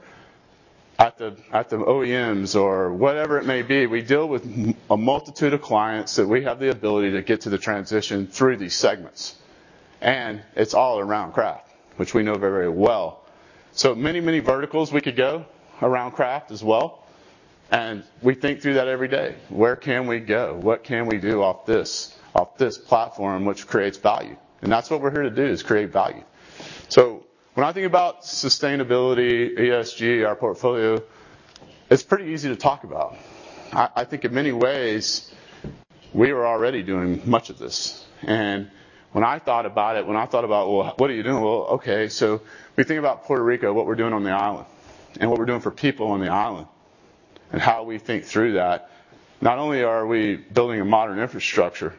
at the OEMs or whatever it may be. We deal with multitude of clients that we have the ability to get to the transition through these segments, and it's all around craft, which we know very well. Many, many verticals we could go around craft as well, and we think through that every day. Where can we go? What can we do off this platform which creates value? That's what we're here to do, is create value. When I think about sustainability, ESG, our portfolio, it's pretty easy to talk about. I think in many ways we were already doing much of this. When I thought about it, "Well, what are you doing?" Well, okay, so we think about Puerto Rico, what we're doing on the island and what we're doing for people on the island and how we think through that. Not only are we building a modern infrastructure,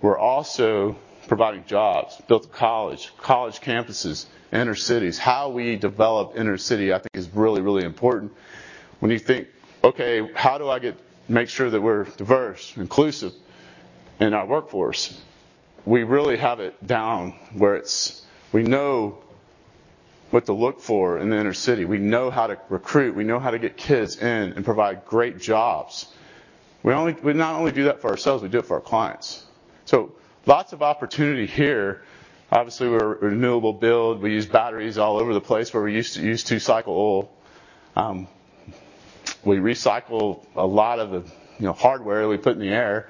we're also providing jobs, built a college campuses, inner cities. How we develop inner city, I think is really important. When you think, "Okay, how do I make sure that we're diverse, inclusive in our workforce?" We really have it down where it's. We know what to look for in the inner city. We know how to recruit. We know how to get kids in and provide great jobs. We not only do that for ourselves, we do it for our clients. Lots of opportunity here. Obviously, we're a renewable build. We use batteries all over the place where we used to cycle oil. We recycle a lot of the, you know, hardware we put in the air.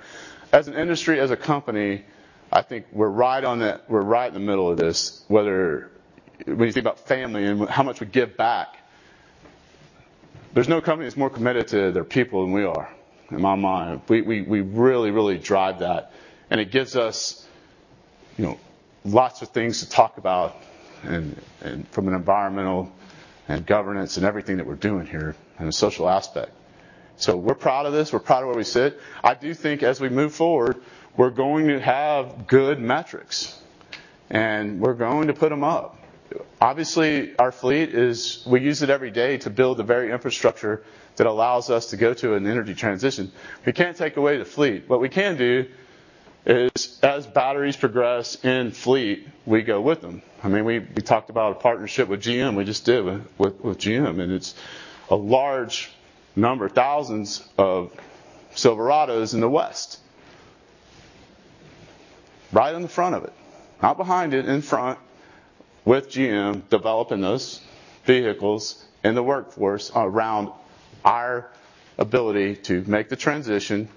As an industry, as a company, I think we're right in the middle of this, whether, when you think about family and how much we give back, there's no company that's more committed to their people than we are. In my mind, we really drive that, and it gives us, you know, lots of things to talk about and from an environmental and governance and everything that we're doing here in a social aspect. We're proud of this. We're proud of where we sit. I do think as we move forward, we're going to have good metrics, and we're going to put them up. Obviously, our fleet is. We use it every day to build the very infrastructure that allows us to go to an energy transition. We can't take away the fleet. What we can do is, as batteries progress in fleet, we go with them. I mean, we talked about a partnership with GM. We just did with GM, and it's a large number, thousands of Silverados in the West. Right in the front of it. Not behind it, in front with GM, developing those vehicles and the workforce around our ability to make the transition.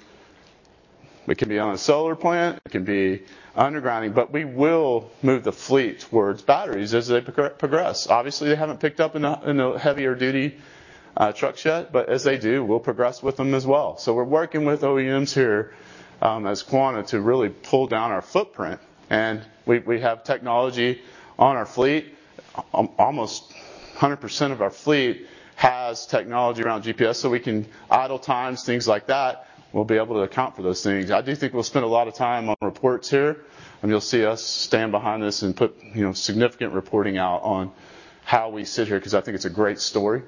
It can be on a solar plant, it can be underground, but we will move the fleet towards batteries as they progress. Obviously, they haven't picked up in a heavier duty truck yet, but as they do, we'll progress with them as well. We're working with OEMs here, as Quanta to really pull down our footprint, and we have technology on our fleet. Almost 100% of our fleet has technology around GPS, so we can idle times, things like that, we'll be able to account for those things. I do think we'll spend a lot of time on reports here, and you'll see us stand behind this and put, you know, significant reporting out on how we sit here 'cause I think it's a great story,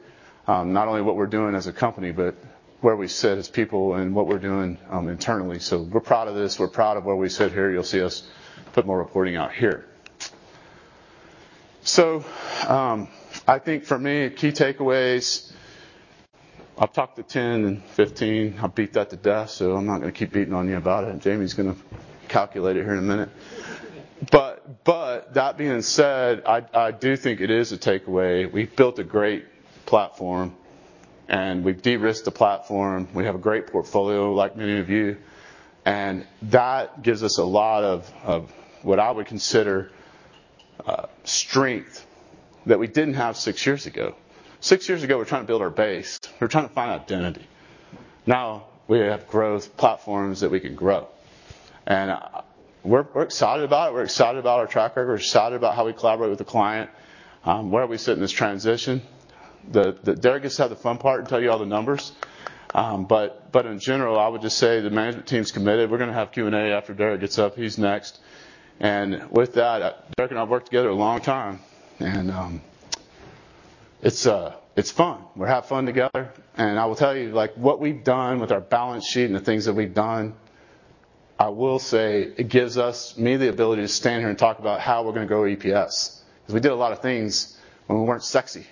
not only what we're doing as a company, but where we sit as people and what we're doing internally. We're proud of this. We're proud of where we sit here. You'll see us put more reporting out here. I think for me, key takeaways, I've talked to 10 and 15. I've beat that to death, so I'm not gonna keep beating on you about it. Jamie's gonna calculate it here in a minute. That being said, I do think it is a takeaway. We've built a great platform, and we've de-risked the platform. We have a great portfolio like many of you, and that gives us a lot of what I would consider strength that we didn't have six years ago. Six years ago, we were trying to build our base. We were trying to find identity. Now we have growth platforms that we can grow. We're excited about it. We're excited about our track record. We're excited about how we collaborate with the client, where we sit in this transition. Derrick gets to have the fun part and tell you all the numbers. In general, I would just say the management team's committed. We're gonna have Q&A after Derrick gets up. He's next. With that, Derrick and I have worked together a long time, and it's fun. We have fun together, and I will tell you, like, what we've done with our balance sheet and the things that we've done, I will say it gives us, me, the ability to stand here and talk about how we're gonna grow EPS. 'Cause we did a lot of things when we weren't sexy.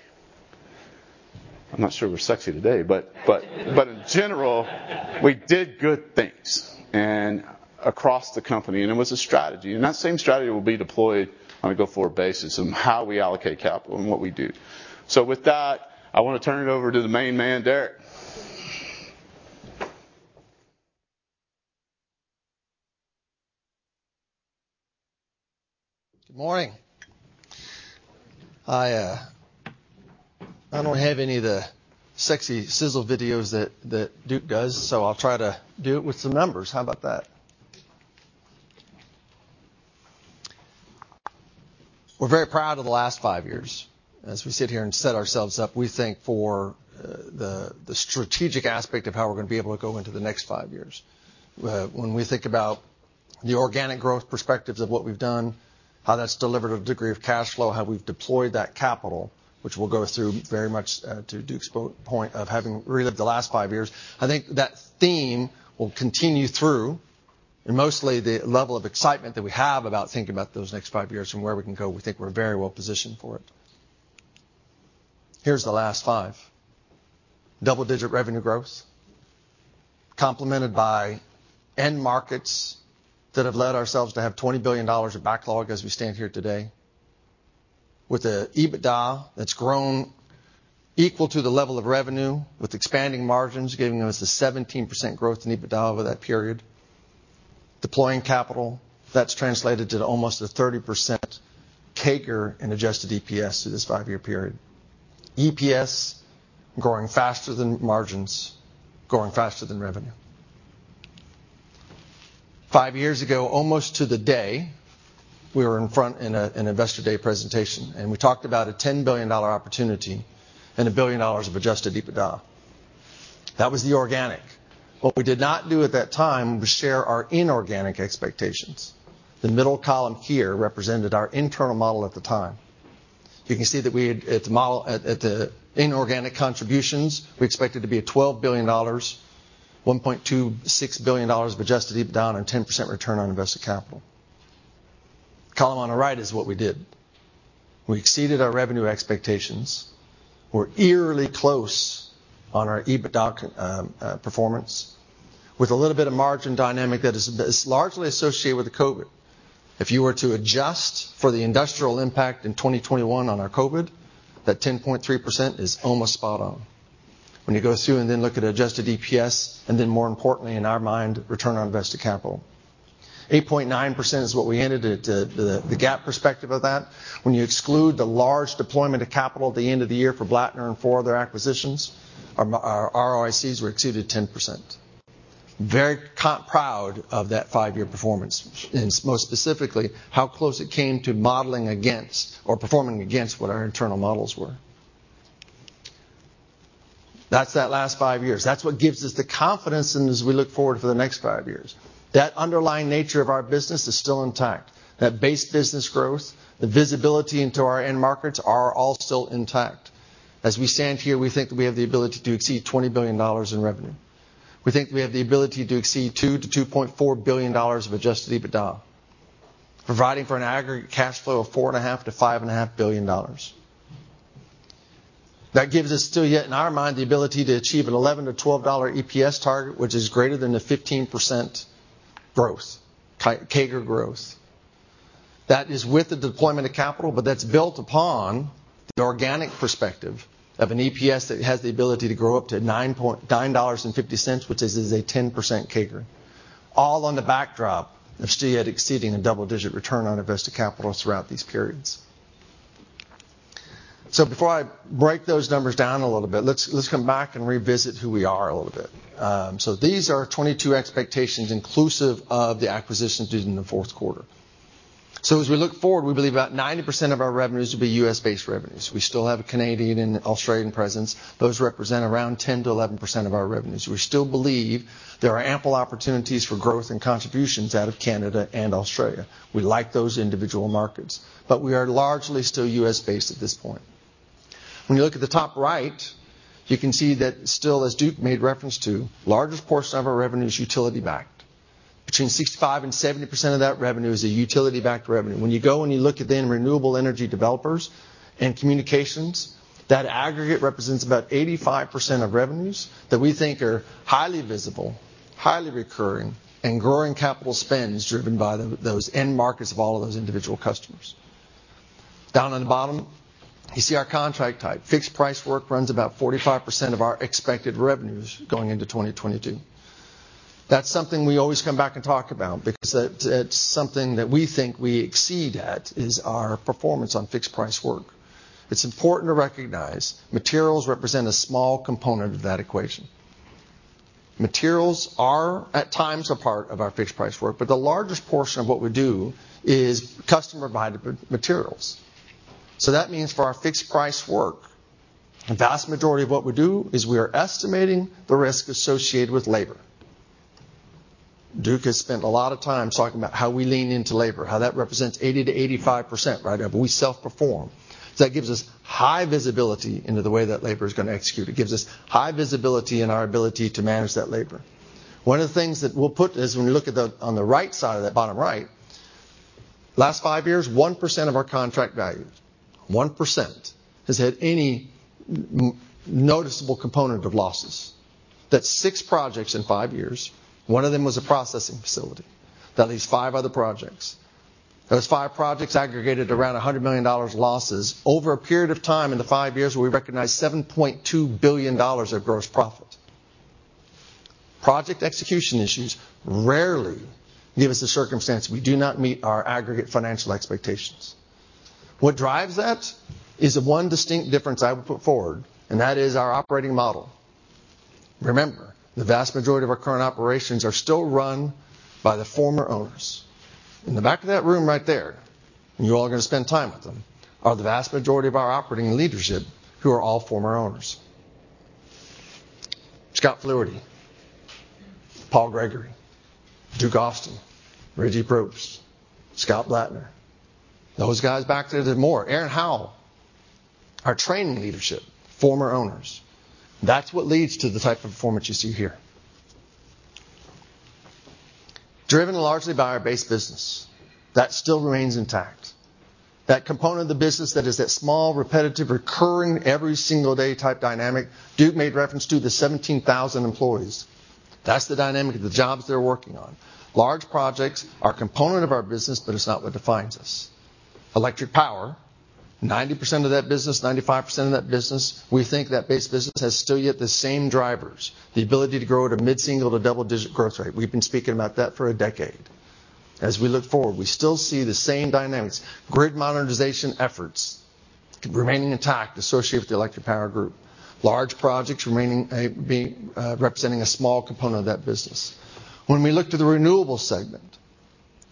I'm not sure we're sexy today, but in general, we did good things and across the company, and it was a strategy. That same strategy will be deployed on a go-forward basis in how we allocate capital and what we do. With that, I wanna turn it over to the main man, Derrick. Good morning. I don't have any of the sexy sizzle videos that Duke does, so I'll try to do it with some numbers. How about that? We're very proud of the last five years. As we sit here and set ourselves up, we think for the strategic aspect of how we're gonna be able to go into the next five years. When we think about the organic growth perspectives of what we've done, how that's delivered a degree of cash flow, how we've deployed that capital, which we'll go through very much to Duke's point of having relived the last five years, I think that theme will continue through in mostly the level of excitement that we have about thinking about those next five years and where we can go. We think we're very well positioned for it. Here's the last five. Double-digit revenue growth complemented by end markets that have led us to have $20 billion of backlog as we stand here today. With an EBITDA that's grown equal to the level of revenue with expanding margins giving us a 17% growth in EBITDA over that period. Deploying capital, that's translated to almost a 30% CAGR in adjusted EPS through this five-year period. EPS growing faster than margins, growing faster than revenue. Five years ago, almost to the day, we were in front of an Investor Day presentation, and we talked about a $10 billion opportunity and $1 billion of adjusted EBITDA. That was the organic. What we did not do at that time was share our inorganic expectations. The middle column here represented our internal model at the time. You can see that we had, at the model, at the inorganic contributions, we expected to be at $12 billion, $1.26 billion of adjusted EBITDA on a 10% return on invested capital. Column on the right is what we did. We exceeded our revenue expectations. We're eerily close on our EBITDA performance with a little bit of margin dynamic that is largely associated with the COVID. If you were to adjust for the industrial impact in 2021 on our COVID, that 10.3% is almost spot on. When you go through and then look at adjusted EPS, and then more importantly in our mind, return on invested capital. 8.9% is what we ended at the GAAP perspective of that. When you exclude the large deployment of capital at the end of the year for Blattner and four other acquisitions, our ROICs exceeded 10%. Proud of that five-year performance and most specifically, how close it came to modeling against or performing against what our internal models were. That's the last 5 years. That's what gives us the confidence and as we look forward for the next 5 years. That underlying nature of our business is still intact. That base business growth, the visibility into our end markets are all still intact. As we stand here, we think that we have the ability to exceed $20 billion in revenue. We think we have the ability to exceed $2 billion-$2.4 billion of adjusted EBITDA, providing for an aggregate cash flow of $4.5 billion-$5.5 billion. That gives us still yet, in our mind, the ability to achieve a $11-$12 EPS target, which is greater than the 15% CAGR growth. That is with the deployment of capital, but that's built upon the organic perspective of an EPS that has the ability to grow up to $9.50, which is a 10% CAGR, all on the backdrop of still yet exceeding a double-digit return on invested capital throughout these periods. Before I break those numbers down a little bit, let's come back and revisit who we are a little bit. These are 2022 expectations inclusive of the acquisitions due in the Q4. As we look forward, we believe about 90% of our revenues will be U.S.-based revenues. We still have a Canadian and Australian presence. Those represent around 10%-11% of our revenues. We still believe there are ample opportunities for growth and contributions out of Canada and Australia. We like those individual markets, but we are largely still U.S.-based at this point. When you look at the top right, you can see that still, as Duke made reference to, largest portion of our revenue is utility-backed. Between 65%-70% of that revenue is a utility-backed revenue. When you go and you look and then renewable energy developers and communications, that aggregate represents about 85% of revenues that we think are highly visible, highly recurring, and growing capital spends driven by the, those end markets of all of those individual customers. Down on the bottom, you see our contract type. Fixed price work runs about 45% of our expected revenues going into 2022. That's something we always come back and talk about because it's something that we think we exceed at, is our performance on fixed price work. It's important to recognize materials represent a small component of that equation. Materials are, at times, a part of our fixed price work, but the largest portion of what we do is customer-provided materials. So that means for our fixed price work, the vast majority of what we do is we are estimating the risk associated with labor. Duke has spent a lot of time talking about how we lean into labor, how that represents 80%-85%, right? of what we self-perform. So that gives us high visibility into the way that labor is gonna execute. It gives us high visibility in our ability to manage that labor. One of the things that we'll put is when we look at the on the right side of that bottom right last five years, 1% of our contract value has had any noticeable component of losses. That's six projects in five years. One of them was a processing facility. That leaves five other projects. Those five projects aggregated around $100 million dollars losses over a period of time in the five years where we recognized $7.2 billion of gross profit. Project execution issues rarely give us the circumstance we do not meet our aggregate financial expectations. What drives that is the one distinct difference I would put forward, and that is our operating model. Remember, the vast majority of our current operations are still run by the former owners. In the back of that room right there, and you all are gonna spend time with them, are the vast majority of our operating leadership, who are all former owners. Scot Fluharty, Paul Gregory, Duke Austin, Redgie Probst, Scott Blattner. Those guys back there are more. Aaron Howell. Our training leadership, former owners. That's what leads to the type of performance you see here. Driven largely by our base business. That still remains intact. That component of the business that is that small, repetitive, recurring, every single day type dynamic, Duke made reference to the 17,000 employees. That's the dynamic of the jobs they're working on. Large projects are a component of our business, but it's not what defines us. Electric Power, 90% of that business, 95% of that business, we think that base business has still yet the same drivers, the ability to grow at a mid-single to double-digit growth rate. We've been speaking about that for a decade. As we look forward, we still see the same dynamics. Grid modernization efforts remaining intact associated with the Electric Power group. Large projects remaining, being, representing a small component of that business. When we look to the Renewables segment,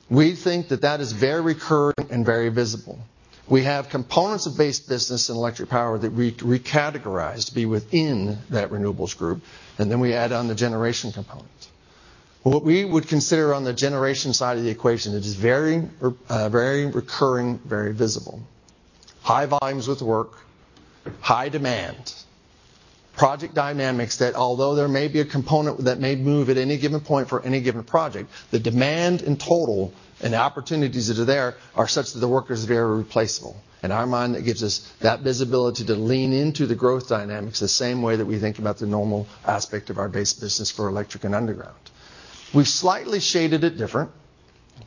we think that that is very recurring and very visible. We have components of base business and Electric Power that we recategorize to be within that Renewables group, and then we add on the generation component. What we would consider on the generation side of the equation is very, very recurring, very visible. High volumes with work, high demand. Project dynamics that although there may be a component that may move at any given point for any given project, the demand in total and the opportunities that are there are such that the work is very replaceable. In our mind, that gives us that visibility to lean into the growth dynamics the same way that we think about the normal aspect of our base business for electric and underground. We've slightly shaded it different,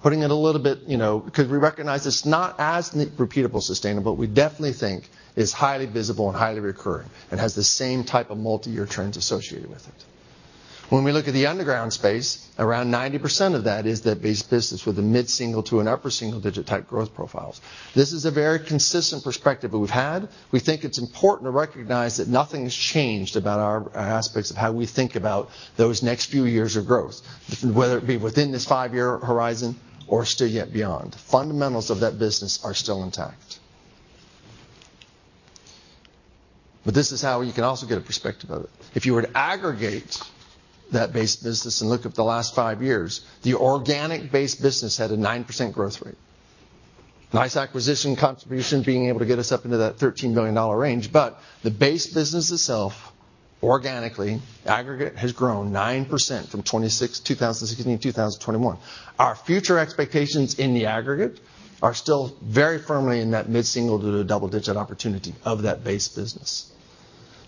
putting it a little bit, you know, because we recognize it's not as repeatable, sustainable. We definitely think it's highly visible and highly recurring and has the same type of multiyear trends associated with it. When we look at the underground space, around 90% of that is that base business with the mid-single- to upper-single-digit-type growth profiles. This is a very consistent perspective that we've had. We think it's important to recognize that nothing's changed about our aspects of how we think about those next few years of growth, whether it be within this five-year horizon or still yet beyond. Fundamentals of that business are still intact. This is how you can also get a perspective of it. If you were to aggregate that base business and look at the last five years, the organic base business had a 9% growth rate. Nice acquisition contribution being able to get us up into that $13 billion range. The base business itself, organically, aggregate has grown 9% from 2016 to 2021. Our future expectations in the aggregate are still very firmly in that mid-single to the double-digit opportunity of that base business.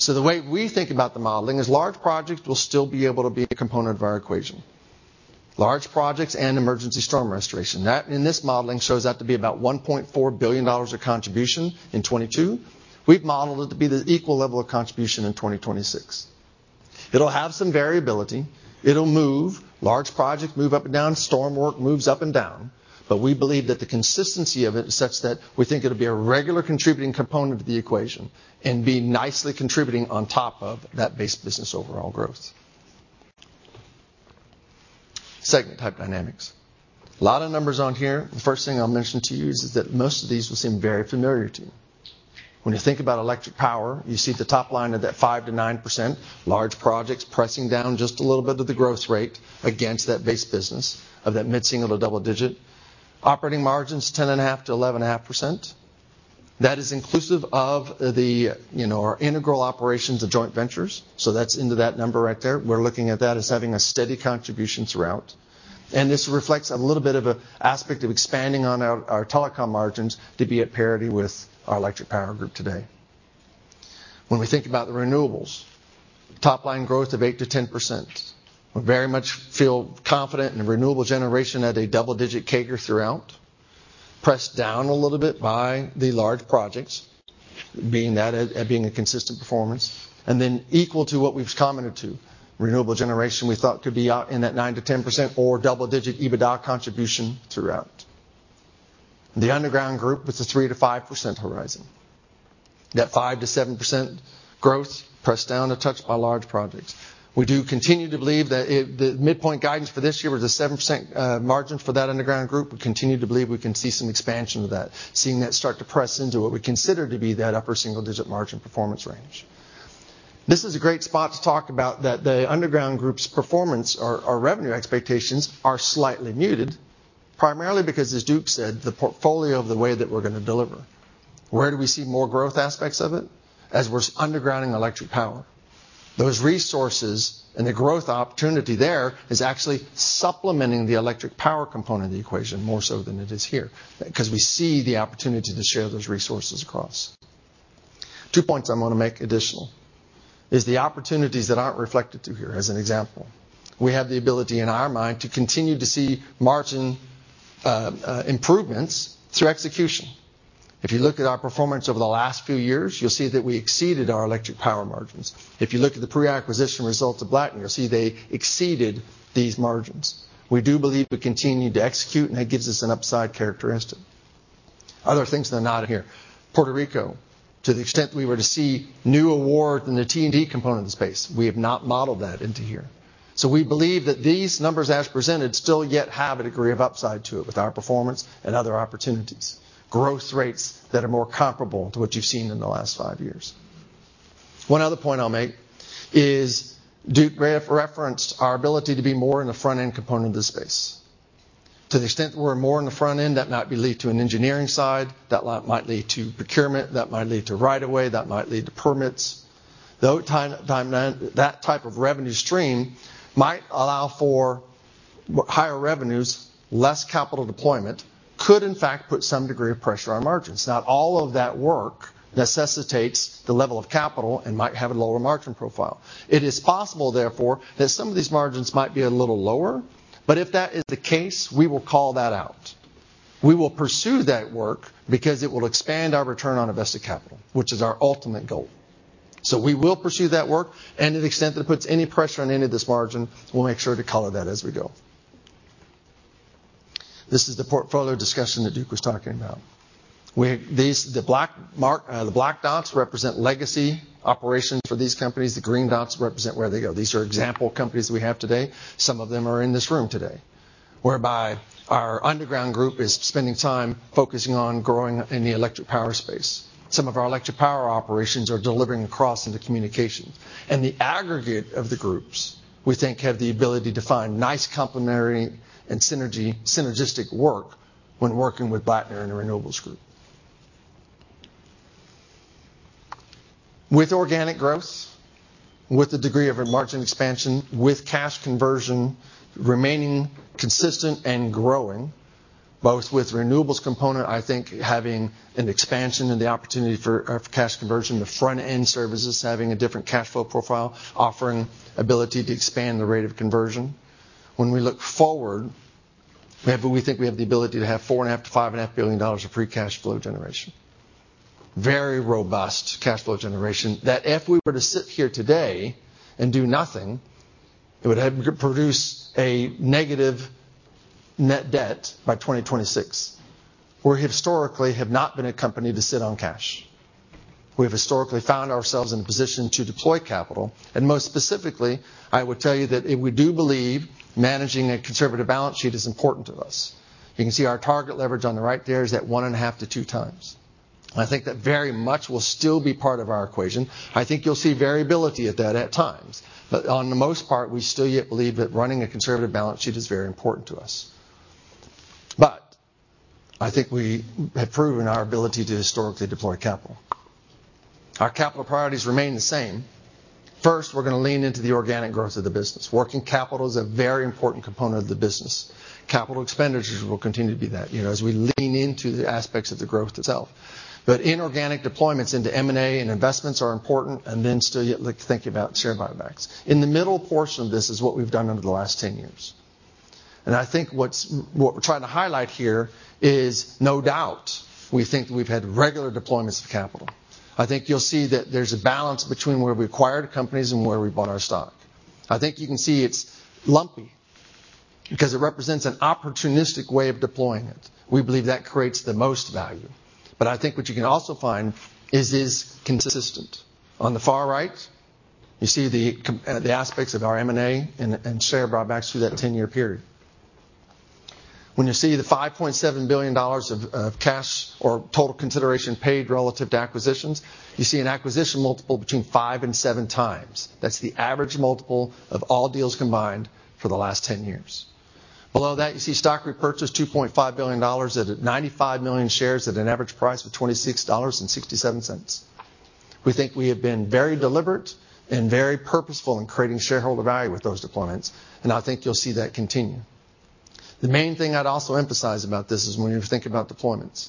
The way we think about the modeling is large projects will still be able to be a component of our equation. Large projects and emergency storm restoration. That, in this modeling, shows that to be about $1.4 billion of contribution in 2022. We've modeled it to be the equal level of contribution in 2026. It'll have some variability. It'll move. Large projects move up and down. Storm work moves up and down. We believe that the consistency of it is such that we think it'll be a regular contributing component to the equation and be nicely contributing on top of that base business overall growth. Segment type dynamics. A lot of numbers on here. The first thing I'll mention to you is that most of these will seem very familiar to you. When you think about Electric Power, you see at the top line of that 5%-9%, large projects pressing down just a little bit of the growth rate against that base business of that mid-single to double digit. Operating margins, 10.5%-11.5%. That is inclusive of the, you know, our internal operations and joint ventures. That's built into that number right there. We're looking at that as having a steady contribution throughout. This reflects a little bit of an aspect of expanding on our telecom margins to be at parity with our Electric Power group today. When we think about the Renewables, top line growth of 8%-10%. We very much feel confident in renewable generation at a double-digit CAGR throughout. Pressed down a little bit by the large projects, being a consistent performance, and then equal to what we've commented to. Renewable generation we thought could be out in that 9%-10% or double-digit EBITDA contribution throughout. The underground group with the 3%-5% horizon. That 5%-7% growth pressed down a touch by large projects. We do continue to believe that it. The midpoint guidance for this year was a 7% margin for that underground group. We continue to believe we can see some expansion to that, seeing that start to press into what we consider to be that upper single-digit margin performance range. This is a great spot to talk about that the underground group's performance or revenue expectations are slightly muted primarily because, as Duke said, the portfolio of the way that we're gonna deliver. Where do we see more growth aspects of it? As we're undergrounding electric power. Those resources and the growth opportunity there is actually supplementing the electric power component of the equation more so than it is here because we see the opportunity to share those resources across. Two points I wanna make additional is the opportunities that aren't reflected through here as an example. We have the ability in our mind to continue to see margin improvements through execution. If you look at our performance over the last few years, you'll see that we exceeded our electric power margins. If you look at the pre-acquisition results of Black & Veatch, you'll see they exceeded these margins. We do believe we continue to execute, and that gives us an upside characteristic. Other things that are not in here, Puerto Rico, to the extent we were to see new awards in the T&D component of the space, we have not modeled that into here. We believe that these numbers as presented still yet have a degree of upside to it with our performance and other opportunities. Growth rates that are more comparable to what you've seen in the last five years. One other point I'll make is Duke referenced our ability to be more in the front-end component of the space. To the extent we're more in the front end, that might lead to an engineering side, that might lead to procurement, that might lead to right of way, that might lead to permits. Though time then, that type of revenue stream might allow for higher revenues, less capital deployment, could in fact put some degree of pressure on margins. Not all of that work necessitates the level of capital and might have a lower margin profile. It is possible, therefore, that some of these margins might be a little lower, but if that is the case, we will call that out. We will pursue that work because it will expand our return on invested capital, which is our ultimate goal. We will pursue that work, and to the extent that it puts any pressure on any of this margin, we'll make sure to color that as we go. This is the portfolio discussion that Duke was talking about. These black dots represent legacy operations for these companies. The green dots represent where they go. These are example companies we have today. Some of them are in this room today. Whereby our underground group is spending time focusing on growing in the electric power space. Some of our electric power operations are delivering across into communications. The aggregate of the groups, we think, have the ability to find nice complementary and synergy, synergistic work when working with Black & Veatch and the renewables group. With organic growth, with the degree of a margin expansion, with cash conversion remaining consistent and growing, both with renewables component, I think having an expansion and the opportunity for, of cash conversion, the front-end services having a different cash flow profile, offering ability to expand the rate of conversion. When we look forward, we have, we think we have the ability to have $4.5 billion-$5.5 billion of free cash flow generation. Very robust cash flow generation that if we were to sit here today and do nothing, it would have produced a negative net debt by 2026. We historically have not been a company to sit on cash. We have historically found ourselves in a position to deploy capital, and most specifically, I would tell you that it, we do believe managing a conservative balance sheet is important to us. You can see our target leverage on the right there is at 1.5-2 times. I think that very much will still be part of our equation. I think you'll see variability at that at times. On the most part, we still yet believe that running a conservative balance sheet is very important to us. I think we have proven our ability to historically deploy capital. Our capital priorities remain the same. First, we're gonna lean into the organic growth of the business. Working capital is a very important component of the business. Capital expenditures will continue to be that, you know, as we lean into the aspects of the growth itself. Inorganic deployments into M&A and investments are important, and then still yet think about share buybacks. In the middle portion of this is what we've done over the last 10 years. I think what we're trying to highlight here is no doubt we think we've had regular deployments of capital. I think you'll see that there's a balance between where we acquired companies and where we bought our stock. I think you can see it's lumpy because it represents an opportunistic way of deploying it. We believe that creates the most value. I think what you can also find is it's consistent. On the far right, you see the aspects of our M&A and share buybacks through that 10-year period. When you see the $5.7 billion of cash or total consideration paid relative to acquisitions, you see an acquisition multiple between 5x and 7x. That's the average multiple of all deals combined for the last 10 years. Below that, you see stock repurchase $2.5 billion at 95 million shares at an average price of $26.67. We think we have been very deliberate and very purposeful in creating shareholder value with those deployments, and I think you'll see that continue. The main thing I'd also emphasize about this is when you think about deployments.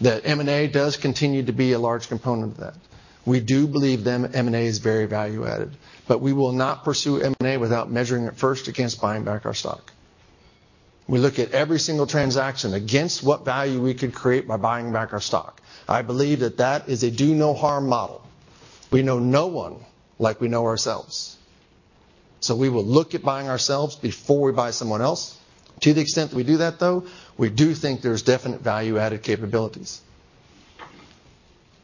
That M&A does continue to be a large component of that. We do believe that M&A is very value added, but we will not pursue M&A without measuring it first against buying back our stock. We look at every single transaction against what value we could create by buying back our stock. I believe that that is a do-no-harm model. We know no one like we know ourselves, so we will look at buying ourselves before we buy someone else. To the extent that we do that, though, we do think there's definite value-added capabilities.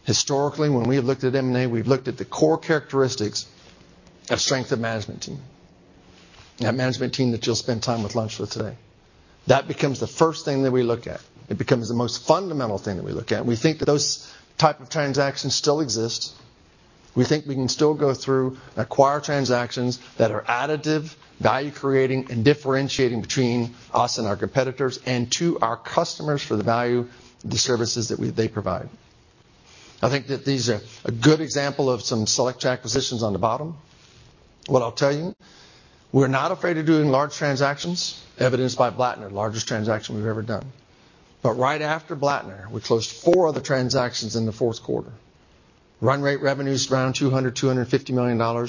Historically, when we have looked at M&A, we've looked at the core characteristics of strength of management team, that management team that you'll spend time with, lunch with today. That becomes the first thing that we look at. It becomes the most fundamental thing that we look at. We think that those type of transactions still exist. We think we can still go through and acquire transactions that are additive, value creating, and differentiating between us and our competitors and to our customers for the value, the services that they provide. I think that these are a good example of some select acquisitions on the bottom. What I'll tell you, we're not afraid of doing large transactions, evidenced by Blattner, largest transaction we've ever done. Right after Blattner, we closed four other transactions in the Q4. Run rate revenues around $200 million-$250 million.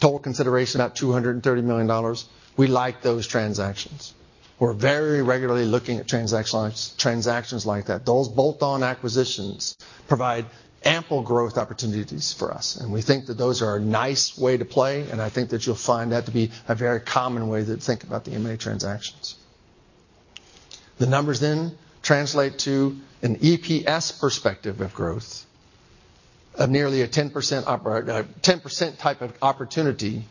Total consideration, about $230 million. We like those transactions. We're very regularly looking at transactions like that. Those bolt-on acquisitions provide ample growth opportunities for us, and we think that those are a nice way to play, and I think that you'll find that to be a very common way to think about the M&A transactions. The numbers then translate to an EPS perspective of growth of nearly a 10% type of opportunity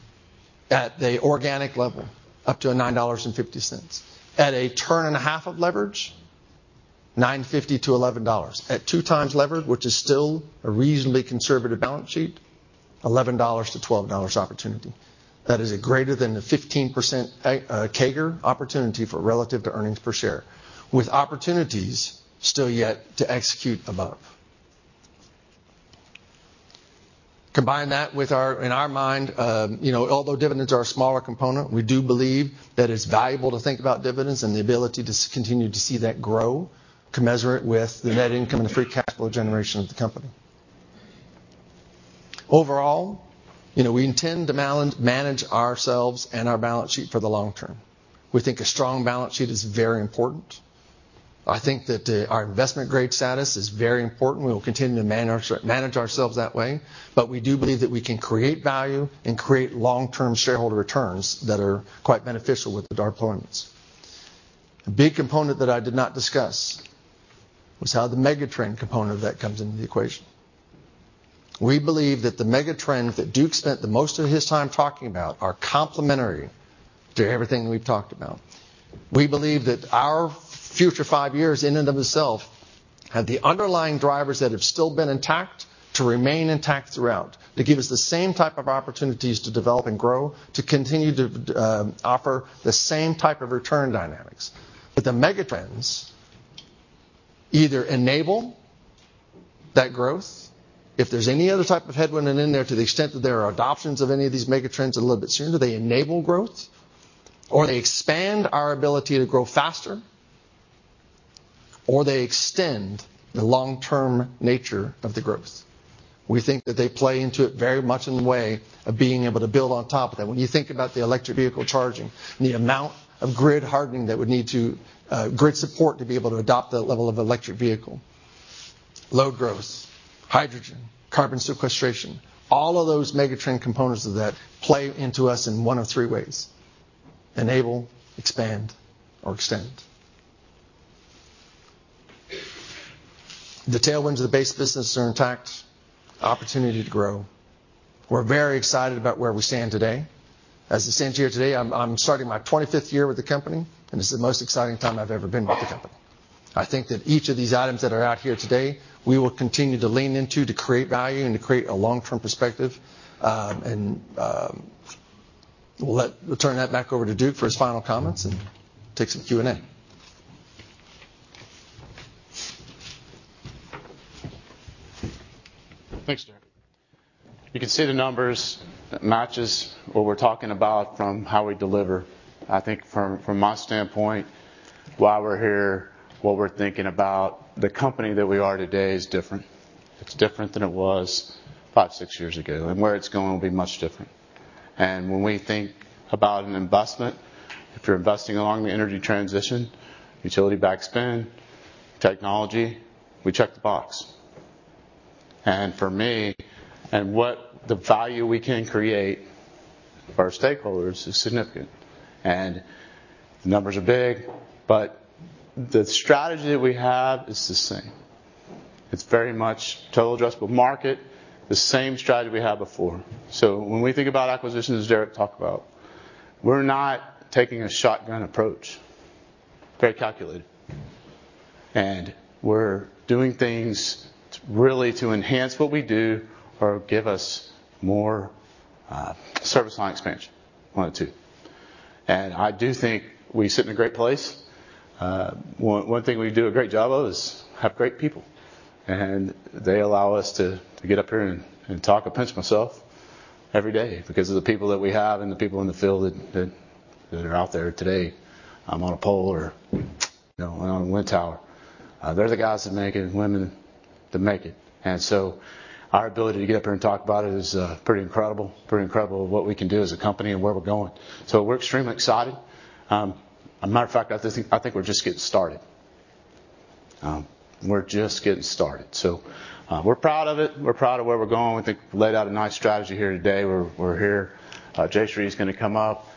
at the organic level, up to $9.50. At a turn and a half of leverage, $9.50-$11. At 2x leverage, which is still a reasonably conservative balance sheet, $11-$12 opportunity. That is greater than 15% CAGR opportunity in relation to earnings per share, with opportunities still yet to execute above. Combine that with our. In our mind, you know, although dividends are a smaller component, we do believe that it's valuable to think about dividends and the ability to continue to see that grow commensurate with the net income and free cash flow generation of the company. Overall, you know, we intend to manage ourselves and our balance sheet for the long term. We think a strong balance sheet is very important. I think that, our investment grade status is very important. We will continue to manage ourselves that way. We do believe that we can create value and create long-term shareholder returns that are quite beneficial with the debt deployments. A big component that I did not discuss was how the mega-trend component of that comes into the equation. We believe that the mega trends that Duke spent the most of his time talking about are complementary to everything we've talked about. We believe that our future five years in and of itself have the underlying drivers that have still been intact to remain intact throughout, to give us the same type of opportunities to develop and grow, to continue to offer the same type of return dynamics. The mega trends either enable that growth. If there's any other type of headwind in there, to the extent that there are adoptions of any of these mega trends a little bit sooner, they enable growth, or they expand our ability to grow faster, or they extend the long-term nature of the growth. We think that they play into it very much in the way of being able to build on top of that. When you think about the electric vehicle charging and the amount of grid hardening that would need to, grid support to be able to adopt that level of electric vehicle, load growth, hydrogen, carbon sequestration, all of those mega trend components of that play into us in one of three ways, enable, expand, or extend. The tailwinds of the base business are intact. Opportunity to grow. We're very excited about where we stand today. As it stands here today, I'm starting my 25th year with the company, and this is the most exciting time I've ever been with the company. I think that each of these items that are out here today, we will continue to lean into to create value and to create a long-term perspective. We'll turn that back over to Duke for his final comments and take some Q&A. Thanks, Derrick. You can see the numbers. It matches what we're talking about from how we deliver. I think from my standpoint, why we're here, what we're thinking about, the company that we are today is different. It's different than it was five, six years ago, and where it's going will be much different. When we think about an investment, if you're investing along the energy transition, utility backbone, technology, we check the box. For me, what the value we can create for our stakeholders is significant. The numbers are big, but the strategy that we have is the same. It's very much total addressable market, the same strategy we had before. When we think about acquisitions, as Derrick talked about, we're not taking a shotgun approach. Very calculated. We're doing things to really enhance what we do or give us more service line expansion, one or two. I do think we sit in a great place. One thing we do a great job of is have great people, and they allow us to get up here and talk and pinch myself every day because of the people that we have and the people in the field that are out there today, on a pole or, you know, on a wind tower. They're the guys that make it, women that make it. Our ability to get up here and talk about it is pretty incredible. Pretty incredible what we can do as a company and where we're going. We're extremely excited. A matter of fact, I think we're just getting started. We're just getting started. We're proud of it, and we're proud of where we're going. I think we laid out a nice strategy here today. We're here. Jayshree is gonna come up.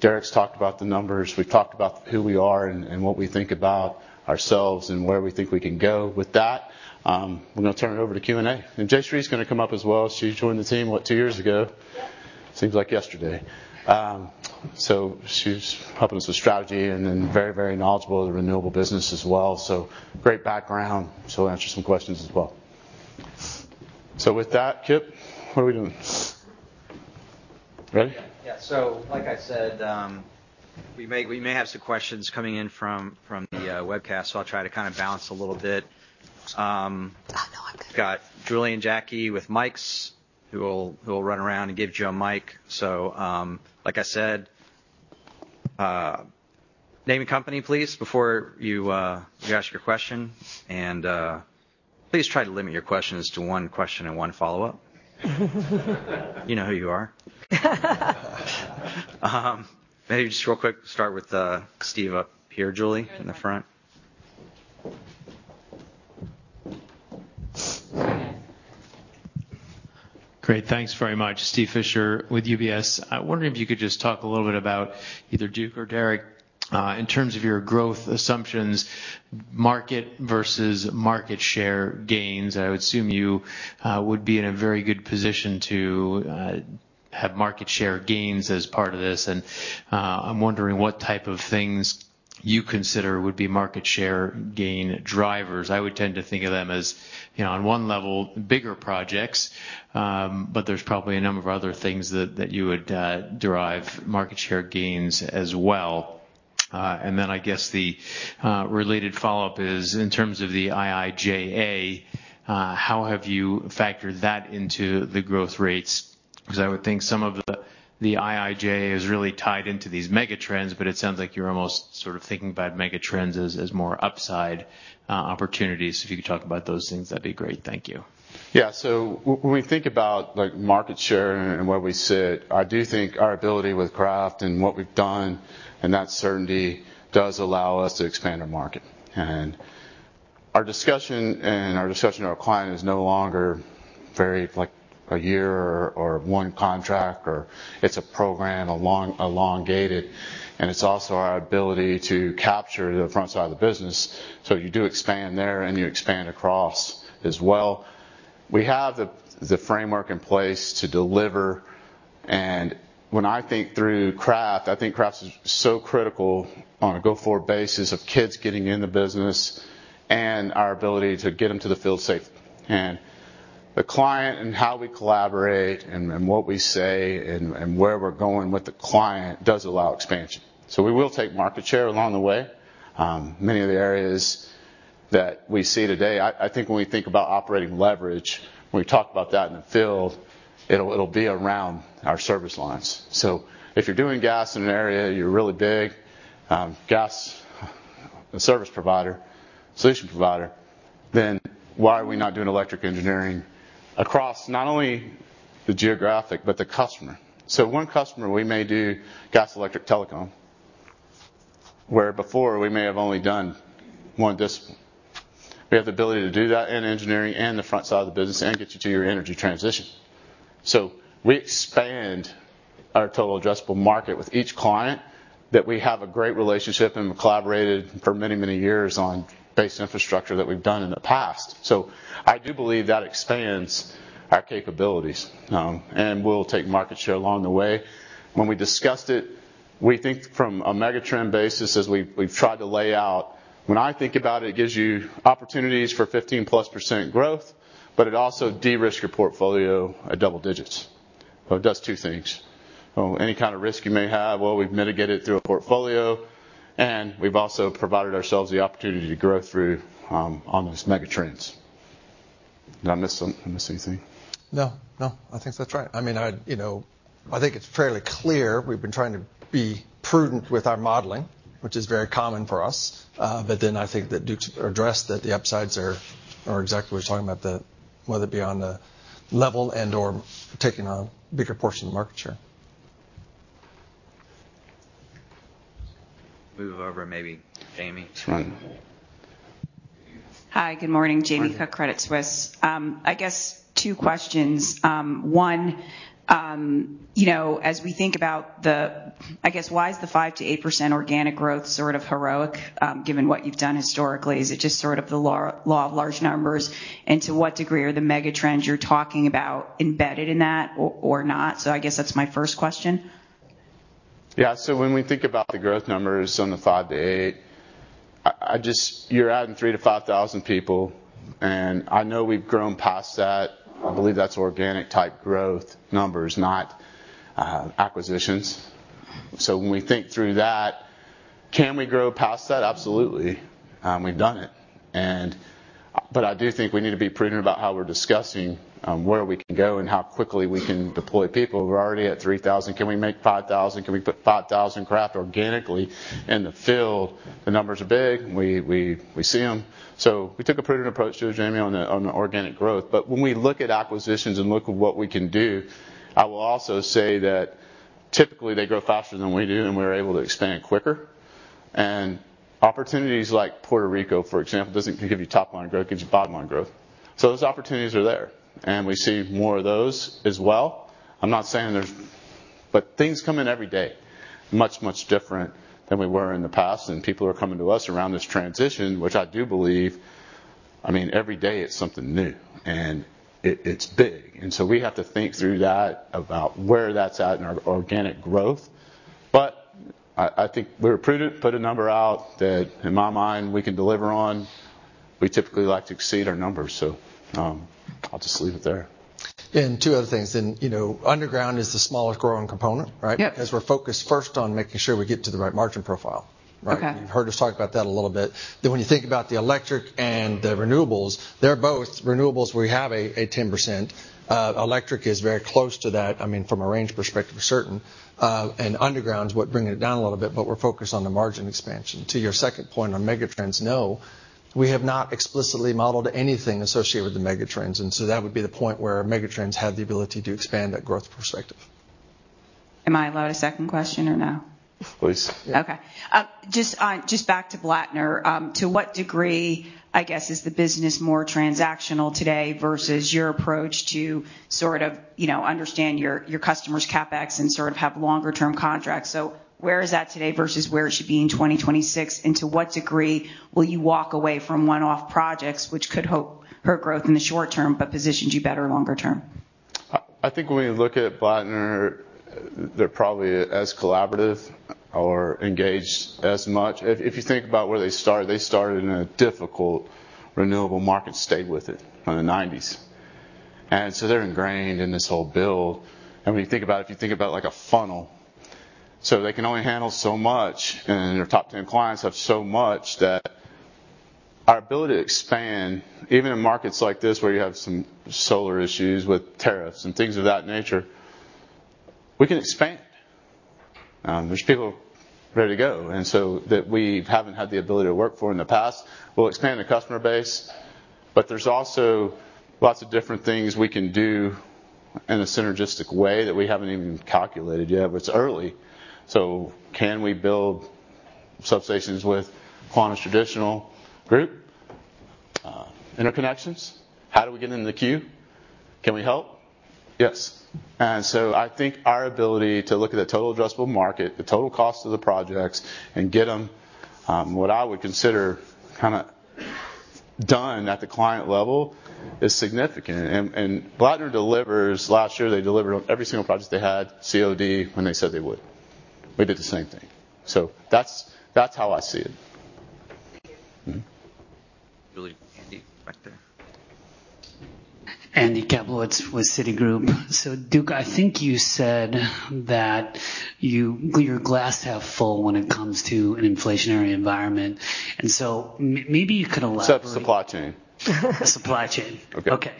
Derrick's talked about the numbers. We've talked about who we are and what we think about ourselves and where we think we can go. With that, we're gonna turn it over to Q&A. Jayshree is gonna come up as well. She joined the team, what? Two years ago. Yep. [inaudible] Seems like yesterday. She's helping us with strategy and then very, very knowledgeable of the renewable business as well, so great background. She'll answer some questions as well. With that, Kip, what are we doing? Ready? Yeah. Like I said, we may have some questions coming in from the webcast, so I'll try to kinda bounce a little bit. Oh no, I'm good. We've got Julie and Jackie with mics who will run around and give you a mic. Like I said, name and company please before you ask your question, and please try to limit your questions to one question and one follow-up. You know who you are. Maybe just real quick, start with Steve up here, Julie, in the front. Great. Thanks very much. Steve Fisher with UBS. I wonder if you could just talk a little bit about, either Duke or Derrick, in terms of your growth assumptions, market versus market share gains. I would assume you would be in a very good position to have market share gains as part of this, and I'm wondering what type of things you consider would be market share gain drivers. I would tend to think of them as, you know, on one level, bigger projects, but there's probably a number of other things that you would derive market share gains as well. And then I guess the related follow-up is in terms of the IIJA, how have you factored that into the growth rates? 'Cause I would think some of the IIJA is really tied into these mega trends, but it sounds like you're almost sort of thinking about mega trends as more upside opportunities. If you could talk about those things, that'd be great. Thank you. Yeah. When we think about, like, market share and where we sit, I do think our ability with craft and what we've done and that certainty does allow us to expand our market. Our discussion with our client is no longer very, like, a year or one contract. It's a program, elongated, and it's also our ability to capture the front side of the business. You do expand there, and you expand across as well. We have the framework in place to deliver, and when I think through craft, I think crafts is so critical on a go-forward basis of kids getting in the business and our ability to get them to the field safely. The client and how we collaborate and what we say and where we're going with the client does allow expansion. We will take market share along the way. Many of the areas that we see today, I think when we think about operating leverage, when we talk about that in the field, it'll be around our service lines. If you're doing gas in an area, you're really big, gas service provider, solution provider, then why are we not doing electric engineering across not only the geographic but the customer? One customer, we may do gas, electric, telecom, where before we may have only done one discipline. We have the ability to do that in engineering and the front side of the business and get you to your energy transition. We expand our total addressable market with each client that we have a great relationship and we collaborated for many, many years on base infrastructure that we've done in the past. I do believe that expands our capabilities, and we'll take market share along the way. When we discussed it, we think from a mega trend basis as we've tried to lay out, when I think about it gives you opportunities for 15%+ growth, but it also de-risks your portfolio at double digits. It does two things. Any kind of risk you may have, well, we've mitigated through a portfolio, and we've also provided ourselves the opportunity to grow through on those mega trends. Did I miss anything? No, no. I think that's right. I mean, you know, I think it's fairly clear we've been trying to be prudent with our modeling, which is very common for us. But then I think that Duke addressed that the upsides are exactly what you're talking about, whether it be on the level and/or taking a bigger portion of the market share. Move over maybe to Jamie. Sure. Hi. Good morning. Morning. Jamie Cook, Credit Suisse. I guess two questions. One, you know, as we think about, I guess, why is the 5%-8% organic growth sort of heroic, given what you've done historically? Is it just sort of the law of large numbers? And to what degree are the mega trends you're talking about embedded in that or not? I guess that's my first question. Yeah. When we think about the growth numbers on the 5%-8%, I just you're adding 3,000-5,000 people, and I know we've grown past that. I believe that's organic type growth numbers, not acquisitions. When we think through that, can we grow past that? Absolutely. We've done it. But I do think we need to be prudent about how we're discussing where we can go and how quickly we can deploy people. We're already at 3,000. Can we make 5,000? Can we put 5,000 craft organically in the field? The numbers are big. We see them. We took a prudent approach there, Jamie, on the organic growth. When we look at acquisitions and look at what we can do, I will also say that typically they grow faster than we do, and we're able to expand quicker. Opportunities like Puerto Rico, for example, doesn't give you top-line growth, gives you bottom-line growth. Those opportunities are there, and we see more of those as well. Things come in every day much, much different than we were in the past. People are coming to us around this transition, which I do believe, I mean, every day it's something new, and it's big. We have to think through that about where that's at in our organic growth. I think we were prudent, put a number out that, in my mind, we can deliver on. We typically like to exceed our numbers so, I'll just leave it there. Two other things. You know, underground is the smallest growing component, right? Yep. As we're focused first on making sure we get to the right margin profile, right? Okay. You've heard us talk about that a little bit. When you think about the electric and the renewables, they're both renewables. We have a 10%. Electric is very close to that, I mean, from a range perspective, for certain. Underground is what bring it down a little bit, but we're focused on the margin expansion. To your second point on megatrends, no, we have not explicitly modeled anything associated with the megatrends, and so that would be the point where megatrends have the ability to expand that growth perspective. Am I allowed a second question or no? Please. Okay. Just back to Black & Veatch. To what degree, I guess, is the business more transactional today versus your approach to sort of, you know, understand your customers' CapEx and sort of have longer term contracts? Where is that today versus where it should be in 2026? To what degree will you walk away from one-off projects which could hurt growth in the short term but positions you better longer term? I think when we look at Black & Veatch, they're probably as collaborative or engaged as much. If you think about where they started, they started in a difficult renewable market, stayed with it in the nineties. They're ingrained in this whole build. I mean, you think about it, if you think about like a funnel, they can only handle so much, and their top 10 clients have so much that our ability to expand, even in markets like this where you have some solar issues with tariffs and things of that nature, we can expand. There's people ready to go and so that we haven't had the ability to work for in the past. We'll expand the customer base, but there's also lots of different things we can do in a synergistic way that we haven't even calculated yet, but it's early. Can we build substations with Quanta's traditional group? Interconnections. How do we get into the queue? Can we help? Yes. I think our ability to look at the total addressable market, the total cost of the projects, and get them what I would consider kinda done at the client level is significant. Black & Veatch delivers. Last year, they delivered on every single project they had, COD, when they said they would. We did the same thing. That's how I see it. Thank you. Mm-hmm. Julie. Andy, back there. Andy Kaplowitz with Citigroup. Duke, I think you said that your glass half full when it comes to an inflationary environment. Maybe you could elaborate? Except supply chain. Supply chain. Okay. Okay.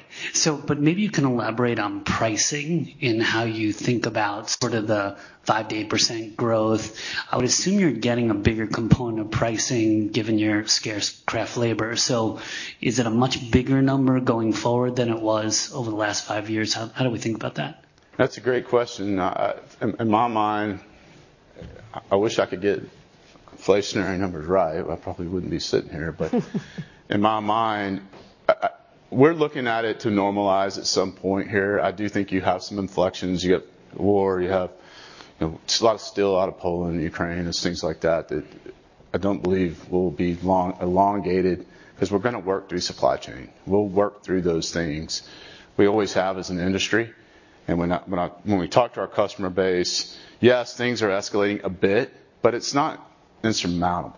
Maybe you can elaborate on pricing and how you think about sort of the 5%-8% growth. I would assume you're getting a bigger component of pricing given your scarce craft labor. Is it a much bigger number going forward than it was over the last five years? How do we think about that? That's a great question. In my mind, I wish I could get inflationary numbers right. I probably wouldn't be sitting here. In my mind, we're looking at it to normalize at some point here. I do think you have some inflections. You got war. You have, you know, still a lot of Poland and Ukraine. There's things like that that I don't believe will be elongated 'cause we're gonna work through supply chain. We'll work through those things. We always have as an industry. When we talk to our customer base, yes, things are escalating a bit, but it's not insurmountable.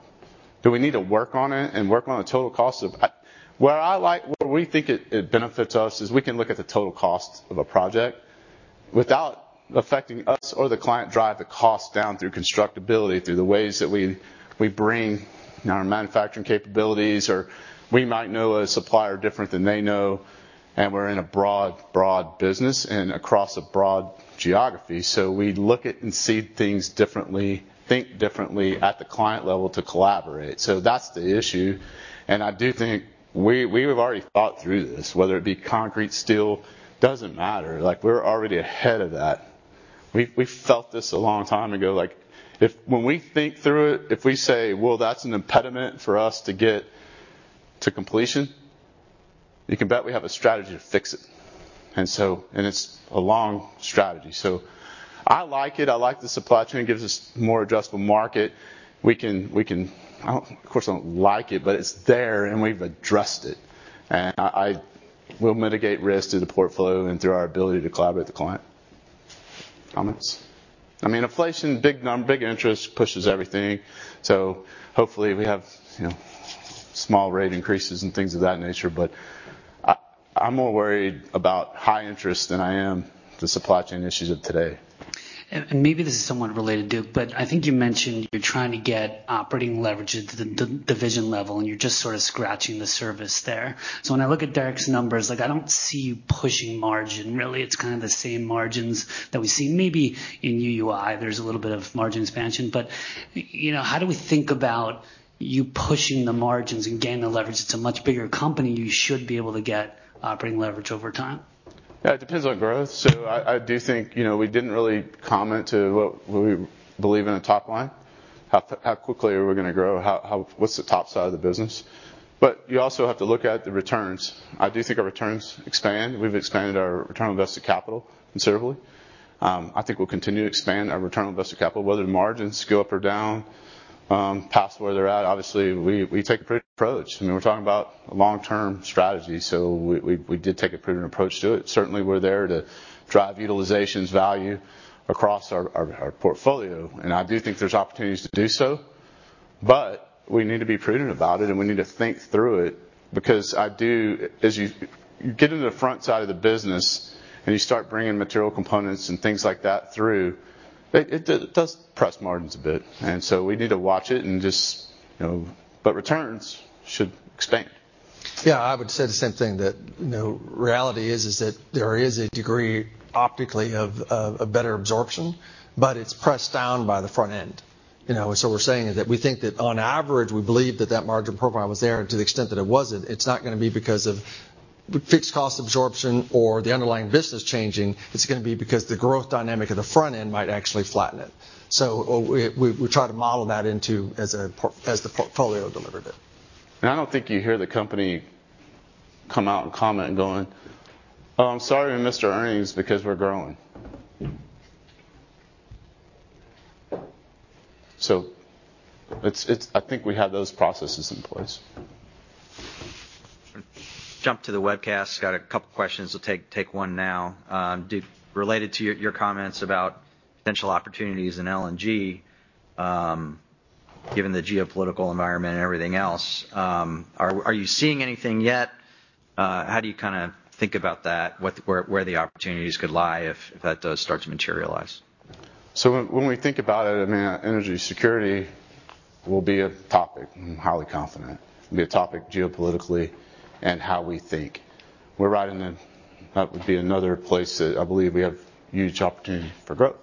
Do we need to work on it and work on the total cost of Where we think it benefits us is we can look at the total cost of a project without affecting us or the client, drive the cost down through constructability, through the ways that we bring our manufacturing capabilities, or we might know a supplier different than they know, and we're in a broad business and across a broad geography. We look at and see things differently, think differently at the client level to collaborate. That's the issue. I do think we have already thought through this, whether it be concrete, steel. Doesn't matter. Like, we're already ahead of that. We felt this a long time ago. Like, if when we think through it, if we say, "Well, that's an impediment for us to get to completion," you can bet we have a strategy to fix it. It's a long strategy. I like it. I like the supply chain. It gives us more addressable market. We can. I of course don't like it, but it's there, and we've addressed it. We'll mitigate risk through the portfolio and through our ability to collaborate with the client. Comments? I mean, inflation, big interest pushes everything. Hopefully we have, you know, small rate increases and things of that nature. But I'm more worried about high interest than I am the supply chain issues of today. Maybe this is somewhat related, Duke, but I think you mentioned you're trying to get operating leverage at the division level, and you're just sort of scratching the surface there. When I look at Derrick's numbers, like, I don't see you pushing margin. Really, it's kind of the same margins that we see. Maybe in UUI, there's a little bit of margin expansion. You know, how do we think about you pushing the margins and gaining the leverage? It's a much bigger company. You should be able to get operating leverage over time. Yeah, it depends on growth. I do think, you know, we didn't really comment on what we believe in the top line, how quickly are we gonna grow, how what's the top side of the business. You also have to look at the returns. I do think our returns expand. We've expanded our return on invested capital considerably. I think we'll continue to expand our return on invested capital, whether the margins go up or down, past where they're at. Obviously, we take a prudent approach. I mean, we're talking about a long-term strategy, we did take a prudent approach to it. Certainly, we're there to drive utilization and value across our portfolio, and I do think there's opportunities to do so. We need to be prudent about it, and we need to think through it because you get into the front side of the business and you start bringing material components and things like that through, it does press margins a bit. We need to watch it and just, you know. Returns should expand. Yeah, I would say the same thing that, you know, reality is that there is a degree optically of a better absorption, but it's pressed down by the front end, you know. What we're saying is that we think that on average, we believe that that margin profile was there. To the extent that it wasn't, it's not gonna be because of fixed cost absorption or the underlying business changing. It's gonna be because the growth dynamic of the front end might actually flatten it. We try to model that into as the portfolio delivered it. I don't think you hear the company come out and comment going, "Oh, I'm sorry we missed our earnings because we're growing." It's, I think we have those processes in place. Jump to the webcast. Got a couple questions. I'll take one now. Duke, related to your comments about potential opportunities in LNG, given the geopolitical environment and everything else, are you seeing anything yet? How do you kinda think about that? Where the opportunities could lie if that does start to materialize? When we think about it, I mean, energy security will be a topic. I'm highly confident. It'll be a topic geopolitically in how we think. That would be another place that I believe we have huge opportunity for growth.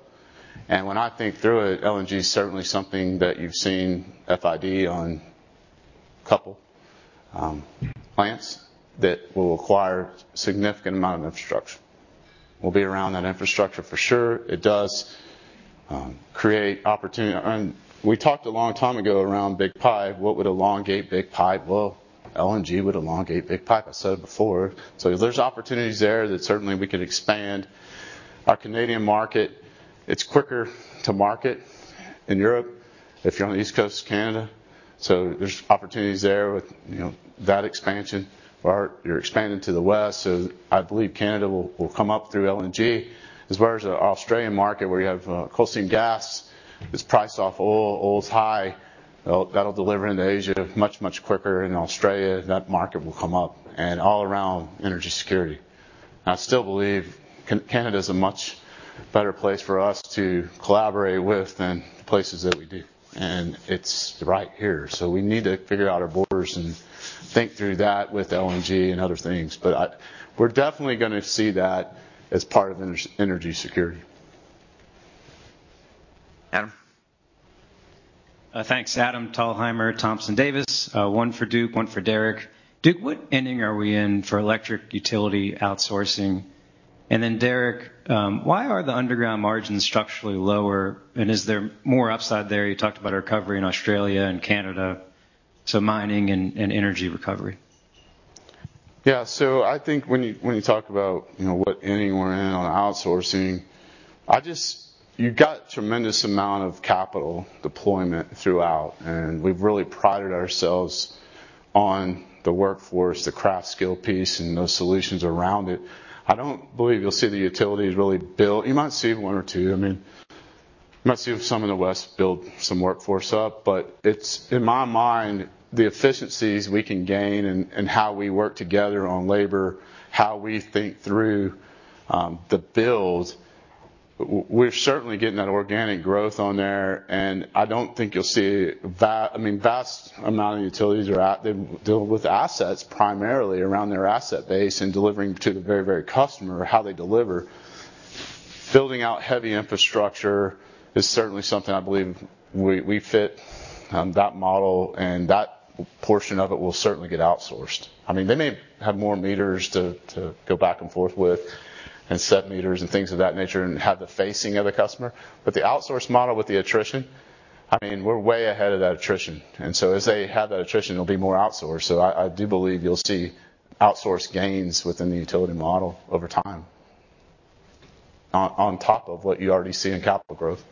When I think through it, LNG is certainly something that you've seen FID on a couple plants that will require a significant amount of infrastructure. We'll be around that infrastructure for sure. It does create opportunity. We talked a long time ago around big pipe. What would elongate big pipe? Well, LNG would elongate big pipe. I said it before. If there's opportunities there, then certainly we could expand our Canadian market. It's quicker to market in Europe if you're on the east coast of Canada, so there's opportunities there with, you know, that expansion. You're expanding to the west, so I believe Canada will come up through LNG. As far as the Australian market, where you have coal seam gas that's priced off oil. Oil's high. That'll deliver into Asia much quicker in Australia. That market will come up, all around energy security. I still believe Canada's a much better place for us to collaborate with than places that we don't. It's right here, so we need to figure out our borders and think through that with LNG and other things. We're definitely gonna see that as part of energy security. Adam. Thanks. Adam Thalhimer, Thompson Davis. One for Duke, one for Derrick. Duke, what inning are we in for electric utility outsourcing? Derrick, why are the underground margins structurally lower, and is there more upside there? You talked about a recovery in Australia and Canada, so mining and energy recovery. Yeah. I think when you talk about, you know, what inning we're in on outsourcing, I just. You've got a tremendous amount of capital deployment throughout, and we've really prided ourselves on the workforce, the craft skill piece, and those solutions around it. I don't believe you'll see the utilities really build. You might see one or two. I mean, you might see some in the West build some workforce up. It's, in my mind, the efficiencies we can gain in how we work together on labor, how we think through the build. We're certainly getting that organic growth on there, and I don't think you'll see vast amount of utilities are out. They deal with assets primarily around their asset base and delivering to the end customer how they deliver. Building out heavy infrastructure is certainly something I believe we fit that model, and that portion of it will certainly get outsourced. I mean, they may have more meters to go back and forth with and set meters and things of that nature and have the facing of the customer. The outsource model with the attrition, I mean, we're way ahead of that attrition. As they have that attrition, it'll be more outsourced. I do believe you'll see outsource gains within the utility model over time on top of what you already see in capital growth.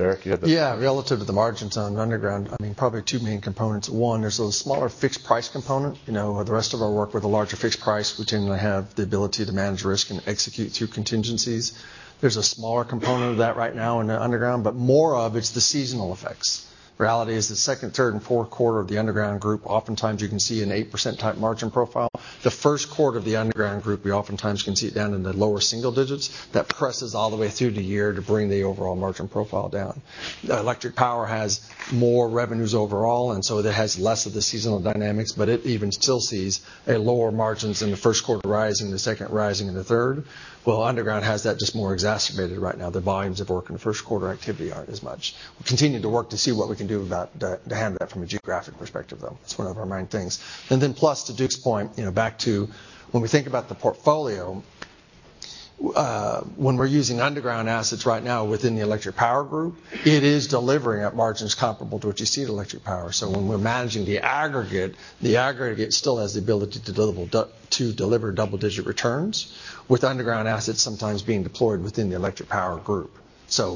Derrick, you had the- Yeah, relative to the margins on underground, I mean, probably two main components. One, there's the smaller fixed-price component. You know, the rest of our work with the larger fixed-price, we tend to have the ability to manage risk and execute through contingencies. There's a smaller component of that right now in the underground, but more of it's the seasonal effects. Reality is the second, third, and Q4 of the underground group. Oftentimes you can see an 8% type margin profile. The Q1 of the underground group, we oftentimes can see it down in the lower single digits%. That presses all the way through the year to bring the overall margin profile down. The electric power has more revenues overall, and so it has less of the seasonal dynamics, but it even still sees lower margins in the Q1 rising, the second rising, and the third. Well, underground has that just more exacerbated right now. The volumes of work in the Q1 activity aren't as much. We continue to work to see what we can do about the, to handle that from a geographic perspective, though. It's one of our main things. Plus to Duke's point, you know, back to when we think about the portfolio, when we're using underground assets right now within the Electric Power group, it is delivering at margins comparable to what you see in Electric Power. When we're managing the aggregate, the aggregate still has the ability to deliver double-digit returns with underground assets sometimes being deployed within the Electric Power group.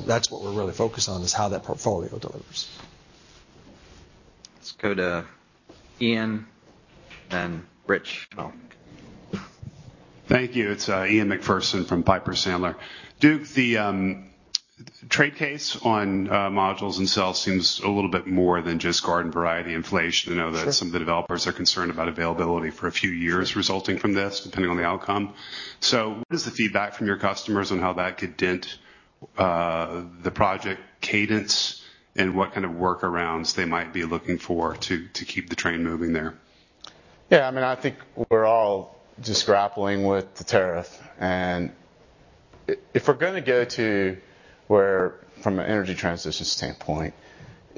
That's what we're really focused on, is how that portfolio delivers. Let's go to Ian, then Rich. Thank you. It's Ian MacPherson from Piper Sandler. Duke, the trade case on modules and cells seems a little bit more than just garden variety inflation. Sure. I know that some of the developers are concerned about availability for a few years resulting from this, depending on the outcome. What is the feedback from your customers on how that could dent the project cadence and what kind of workarounds they might be looking for to keep the train moving there? Yeah, I mean, I think we're all just grappling with the tariff. If we're gonna go to where from an energy transition standpoint,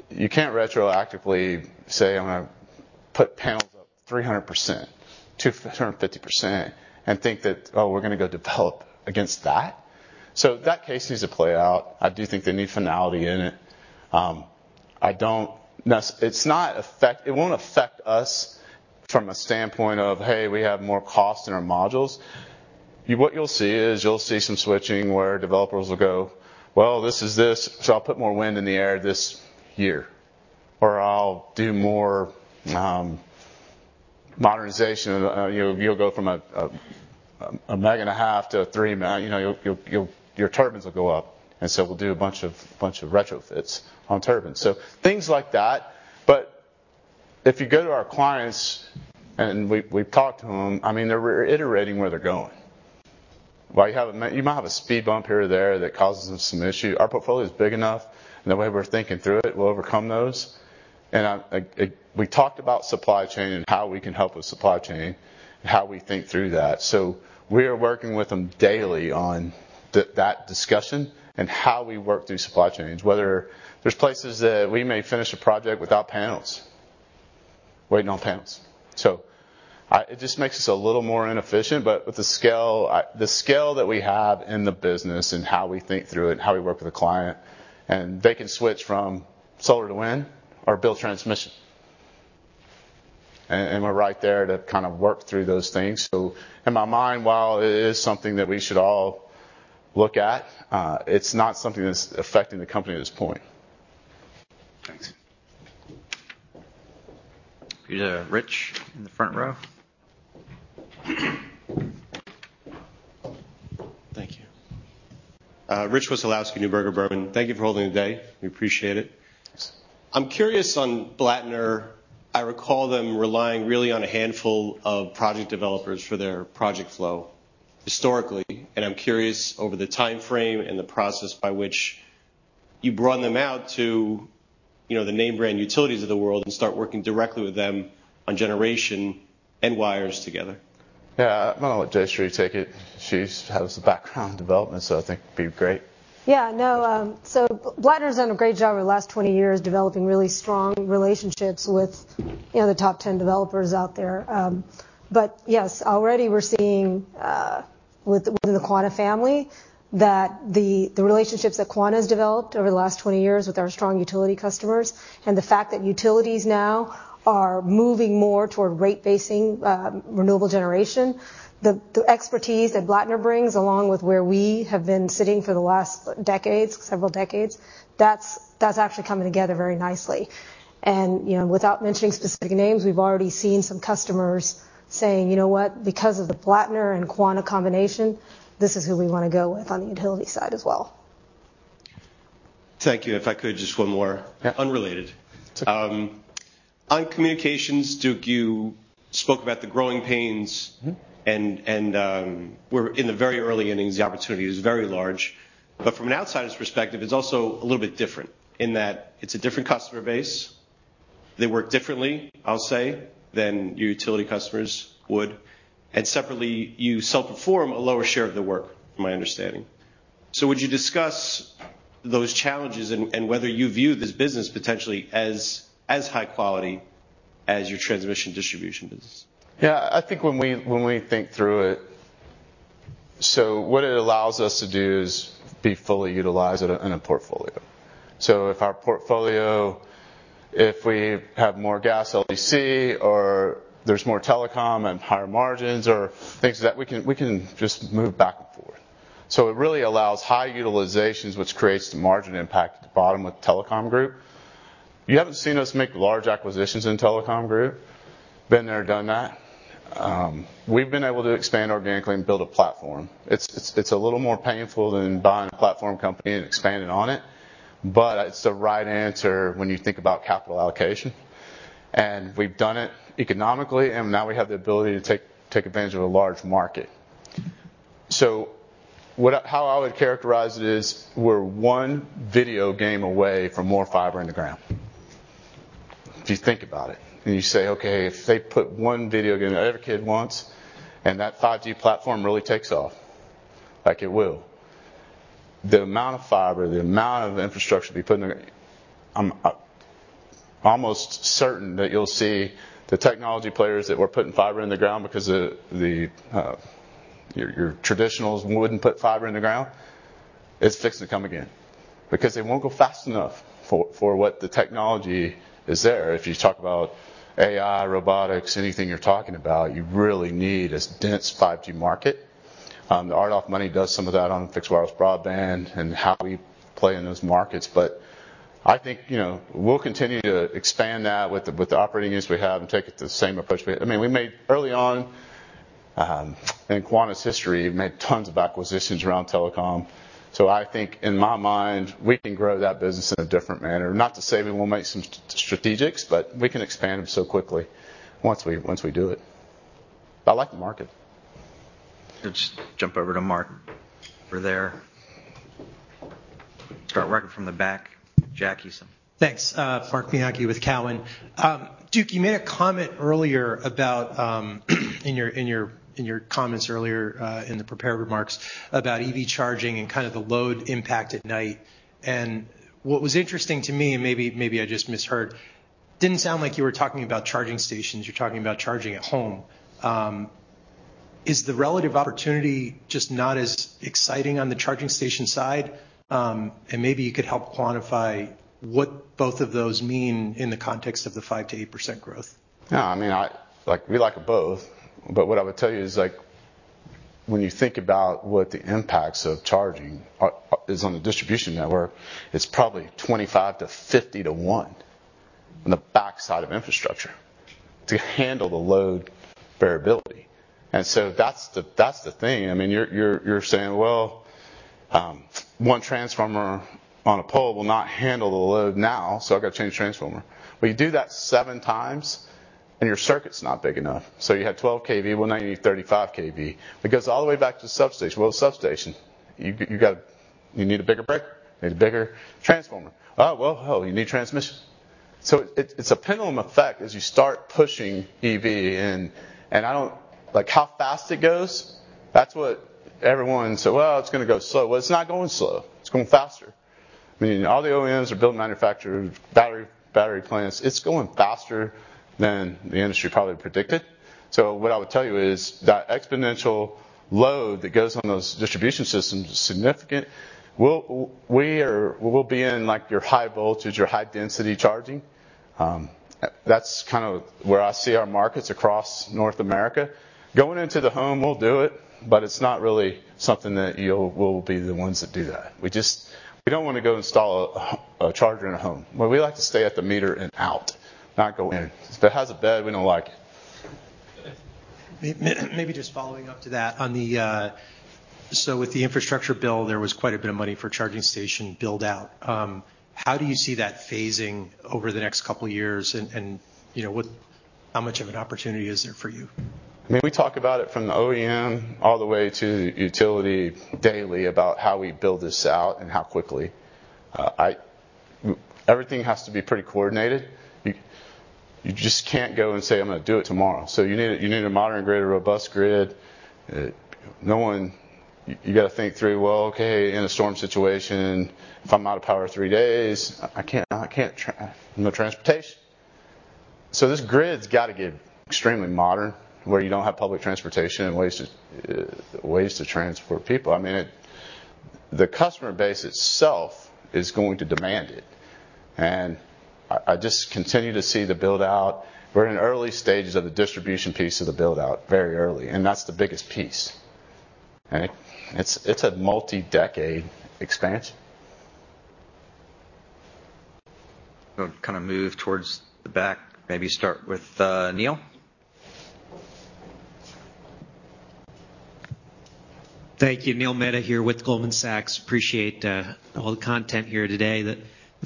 you can't retroactively say, "I'm gonna put panels up 300%, 250%," and think that, "Oh, we're gonna go develop against that." That case needs to play out. I do think they need finality in it. It won't affect us from a standpoint of, "Hey, we have more cost in our modules." What you'll see is some switching where developers will go, "Well, this is this, so I'll put more wind in the air this year, or I'll do more modernization." You'll go from 1.5 meg to 3 meg. You know, your turbines will go up. We'll do a bunch of retrofits on turbines. Things like that. If you go to our clients and we've talked to them, I mean, they're reiterating where they're going. You might have a speed bump here or there that causes them some issue. Our portfolio is big enough, and the way we're thinking through it, we'll overcome those. We talked about supply chain and how we can help with supply chain and how we think through that. We are working with them daily on that discussion and how we work through supply chains, whether there's places that we may finish a project without panels, waiting on panels. It just makes us a little more inefficient. With the scale that we have in the business and how we think through it and how we work with the client, and they can switch from solar to wind or build transmission. We're right there to kind of work through those things. In my mind, while it is something that we should all look at, it's not something that's affecting the company at this point. Thanks. Go to Rich in the front row. Thank you. Rich Wesolowski, Neuberger Berman. Thank you for holding today. We appreciate it. Yes. I'm curious on Blattner. I recall them relying really on a handful of project developers for their project flow historically, and I'm curious over the timeframe and the process by which you brought them out to, you know, the name brand utilities of the world and start working directly with them on generation and wires together. Yeah. I'm gonna let Jayshree take it. She has the background development, so I think it'd be great. Yeah, no. Blattner's done a great job over the last 20 years developing really strong relationships with, you know, the top 10 developers out there. Yes, already we're seeing within the Quanta family that the relationships that Quanta's developed over the last 20 years with our strong utility customers and the fact that utilities now are moving more toward rate-basing renewable generation, the expertise that Blattner brings, along with where we have been sitting for the last several decades, that's actually coming together very nicely. You know, without mentioning specific names, we've already seen some customers saying, "You know what? Because of the Blattner and Quanta combination, this is who we wanna go with on the utility side as well. Thank you. If I could, just one more. Yeah. Unrelated. It's okay. On communications, Duke, you spoke about the growing pains. Mm-hmm. We're in the very early innings. The opportunity is very large. But from an outsider's perspective, it's also a little bit different in that it's a different customer base. They work differently, I'll say, than your utility customers would. And separately, you self-perform a lower share of the work, from my understanding. So would you discuss those challenges and whether you view this business potentially as high quality as your transmission distribution business? I think when we think through it. What it allows us to do is be fully utilized in a portfolio. If our portfolio has more gas LDC or there's more telecom and higher margins or things like that, we can just move back and forth. It really allows high utilizations, which creates the margin impact at the bottom with telecom group. You haven't seen us make large acquisitions in telecom group. Been there, done that. We've been able to expand organically and build a platform. It's a little more painful than buying a platform company and expanding on it, but it's the right answer when you think about capital allocation. We've done it economically, and now we have the ability to take advantage of a large market. How I would characterize it is we're one video game away from more fiber in the ground. If you think about it and you say, "Okay, if they put one video game that every kid wants, and that 5G platform really takes off," like it will, the amount of fiber, the amount of infrastructure to be put in the ground. I'm almost certain that you'll see the technology players that were putting fiber in the ground because the your traditionals wouldn't put fiber in the ground, it's fixing to come again. It won't go fast enough for what the technology is there. If you talk about AI, robotics, anything you're talking about, you really need this dense 5G market. The ARPA money does some of that on fixed wireless broadband and how we play in those markets. I think, you know, we'll continue to expand that with the operating units we have and take it to the same approach we made early on, I mean, in Quanta's history, made tons of acquisitions around telecom. I think in my mind, we can grow that business in a different manner. Not to say we won't make some strategics, but we can expand them so quickly once we do it. I like the market. Let's jump over to Marc over there. Start right from the back. Jack, you said. Thanks. Marc Bianchi with Cowen. Duke, you made a comment earlier about, in your comments earlier, in the prepared remarks about EV charging and kind of the load impact at night. What was interesting to me, and maybe I just misheard, didn't sound like you were talking about charging stations, you were talking about charging at home. Is the relative opportunity just not as exciting on the charging station side? Maybe you could help quantify what both of those mean in the context of the 5%-8% growth. No, I mean, like, we like them both. What I would tell you is, like, when you think about what the impacts of charging are is on the distribution network, it's probably 25 to 50 to one on the backside of infrastructure to handle the load variability. That's the thing. I mean, you're saying, "Well, one transformer on a pole will not handle the load now, so I've got to change the transformer." You do that seven times, and your circuit's not big enough. You had 12 KV, now you need 35 KV. It goes all the way back to the substation. Well, the substation, you need a bigger breaker, need a bigger transformer. Oh, well, hell, you need transmission. It's a pendulum effect as you start pushing EV and I don't like how fast it goes. That's what everyone said, "Well, it's gonna go slow." It's not going slow. It's going faster. I mean, all the OEMs are building manufacturing battery plants. It's going faster than the industry probably predicted. What I would tell you is that exponential load that goes on those distribution systems is significant. We will be in, like, your high voltage or high density charging. That's kind of where I see our markets across North America. Going into the home, we'll do it, but it's not really something that we'll be the ones that do that. We don't want to go install a charger in a home. We like to stay at the meter and out, not go in. If it has a bed, we don't like it. Maybe just following up to that. On the infrastructure bill, there was quite a bit of money for charging station build-out. How do you see that phasing over the next couple of years? You know, how much of an opportunity is there for you? I mean, we talk about it from the OEM all the way to utility daily about how we build this out and how quickly. Everything has to be pretty coordinated. You just can't go and say, "I'm gonna do it tomorrow." You need a modern grid, a robust grid. You gotta think through, well, okay, in a storm situation, if I'm out of power three days, I can't no transportation. This grid's gotta get extremely modern, where you don't have public transportation and ways to transport people. I mean, the customer base itself is going to demand it. I just continue to see the build-out. We're in early stages of the distribution piece of the build-out, very early, and that's the biggest piece. All right? It's a multi-decade expansion. We'll kind of move towards the back, maybe start with Neil. Thank you. Neil Mehta here with Goldman Sachs. Appreciate all the content here today. The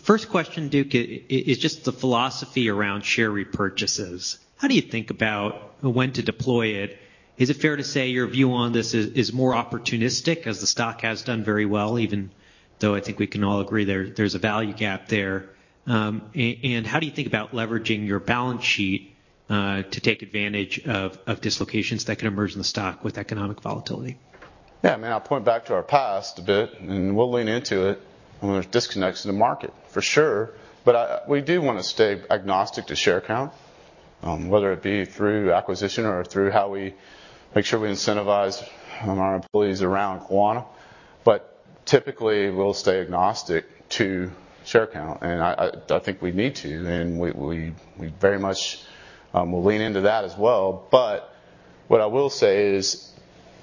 first question, Duke, is just the philosophy around share repurchases. How do you think about when to deploy it? Is it fair to say your view on this is more opportunistic as the stock has done very well, even though I think we can all agree there's a value gap there? And how do you think about leveraging your balance sheet to take advantage of dislocations that could emerge in the stock with economic volatility? Yeah, I mean, I'll point back to our past a bit, and we'll lean into it when there's disconnects in the market, for sure. I—we do wanna stay agnostic to share count, whether it be through acquisition or through how we make sure we incentivize our employees around Quanta. Typically, we'll stay agnostic to share count, and I think we need to, and we very much will lean into that as well. What I will say is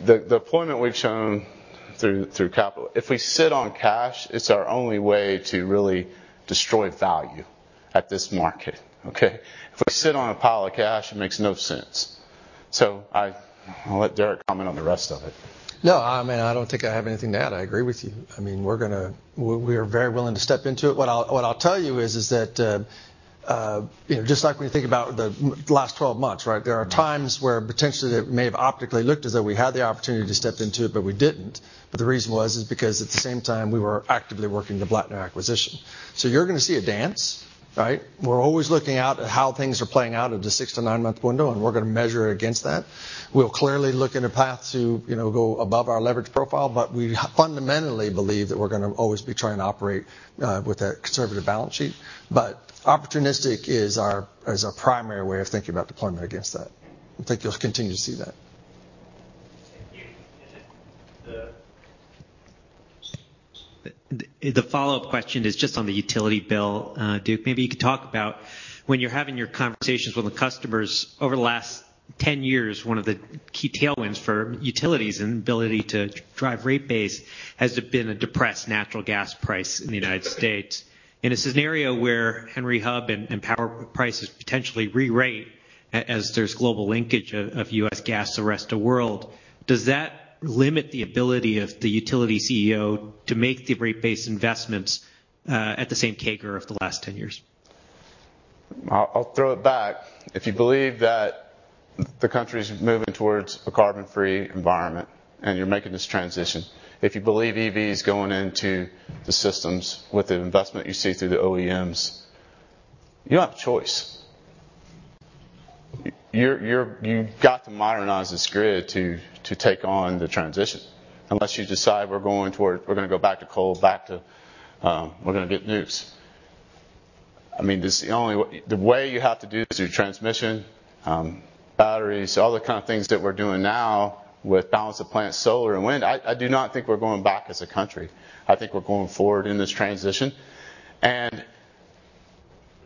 the deployment we've shown through capital, if we sit on cash, it's our only way to really destroy value at this market, okay? If we sit on a pile of cash, it makes no sense. I'll let Derrick comment on the rest of it. No, I mean, I don't think I have anything to add. I agree with you. I mean, we're very willing to step into it. What I'll tell you is that, you know, just like when you think about the last 12 months, right? There are times where potentially it may have optically looked as though we had the opportunity to step into it, but we didn't. The reason is because at the same time, we were actively working the Blattner acquisition. You're gonna see a dance, right? We're always looking out at how things are playing out at the six-nine-month window, and we're gonna measure against that. We'll clearly look at a path to, you know, go above our leverage profile, but we fundamentally believe that we're gonna always be trying to operate with a conservative balance sheet. Opportunistic is our primary way of thinking about deployment against that. I think you'll continue to see that. Thank you. The follow-up question is just on the utility bill, Duke. Maybe you could talk about when you're having your conversations with the customers over the last 10 years, one of the key tailwinds for utilities' ability to drive rate base has been a depressed natural gas price in the United States. In a scenario where Henry Hub and power prices potentially rerate as there's global linkage of U.S. gas to the rest of the world, does that limit the ability of the utility CEO to make the rate-based investments at the same CAGR of the last 10 years? I'll throw it back. If you believe that the country's moving towards a carbon-free environment, and you're making this transition, if you believe EV is going into the systems with the investment you see through the OEMs, you don't have a choice. You've got to modernize this grid to take on the transition. Unless you decide we're going toward. We're gonna go back to coal, back to. We're gonna get nukes. I mean, this is the only way you have to do this is through transmission, batteries, all the kind of things that we're doing now with balance of plant solar and wind. I do not think we're going back as a country. I think we're going forward in this transition.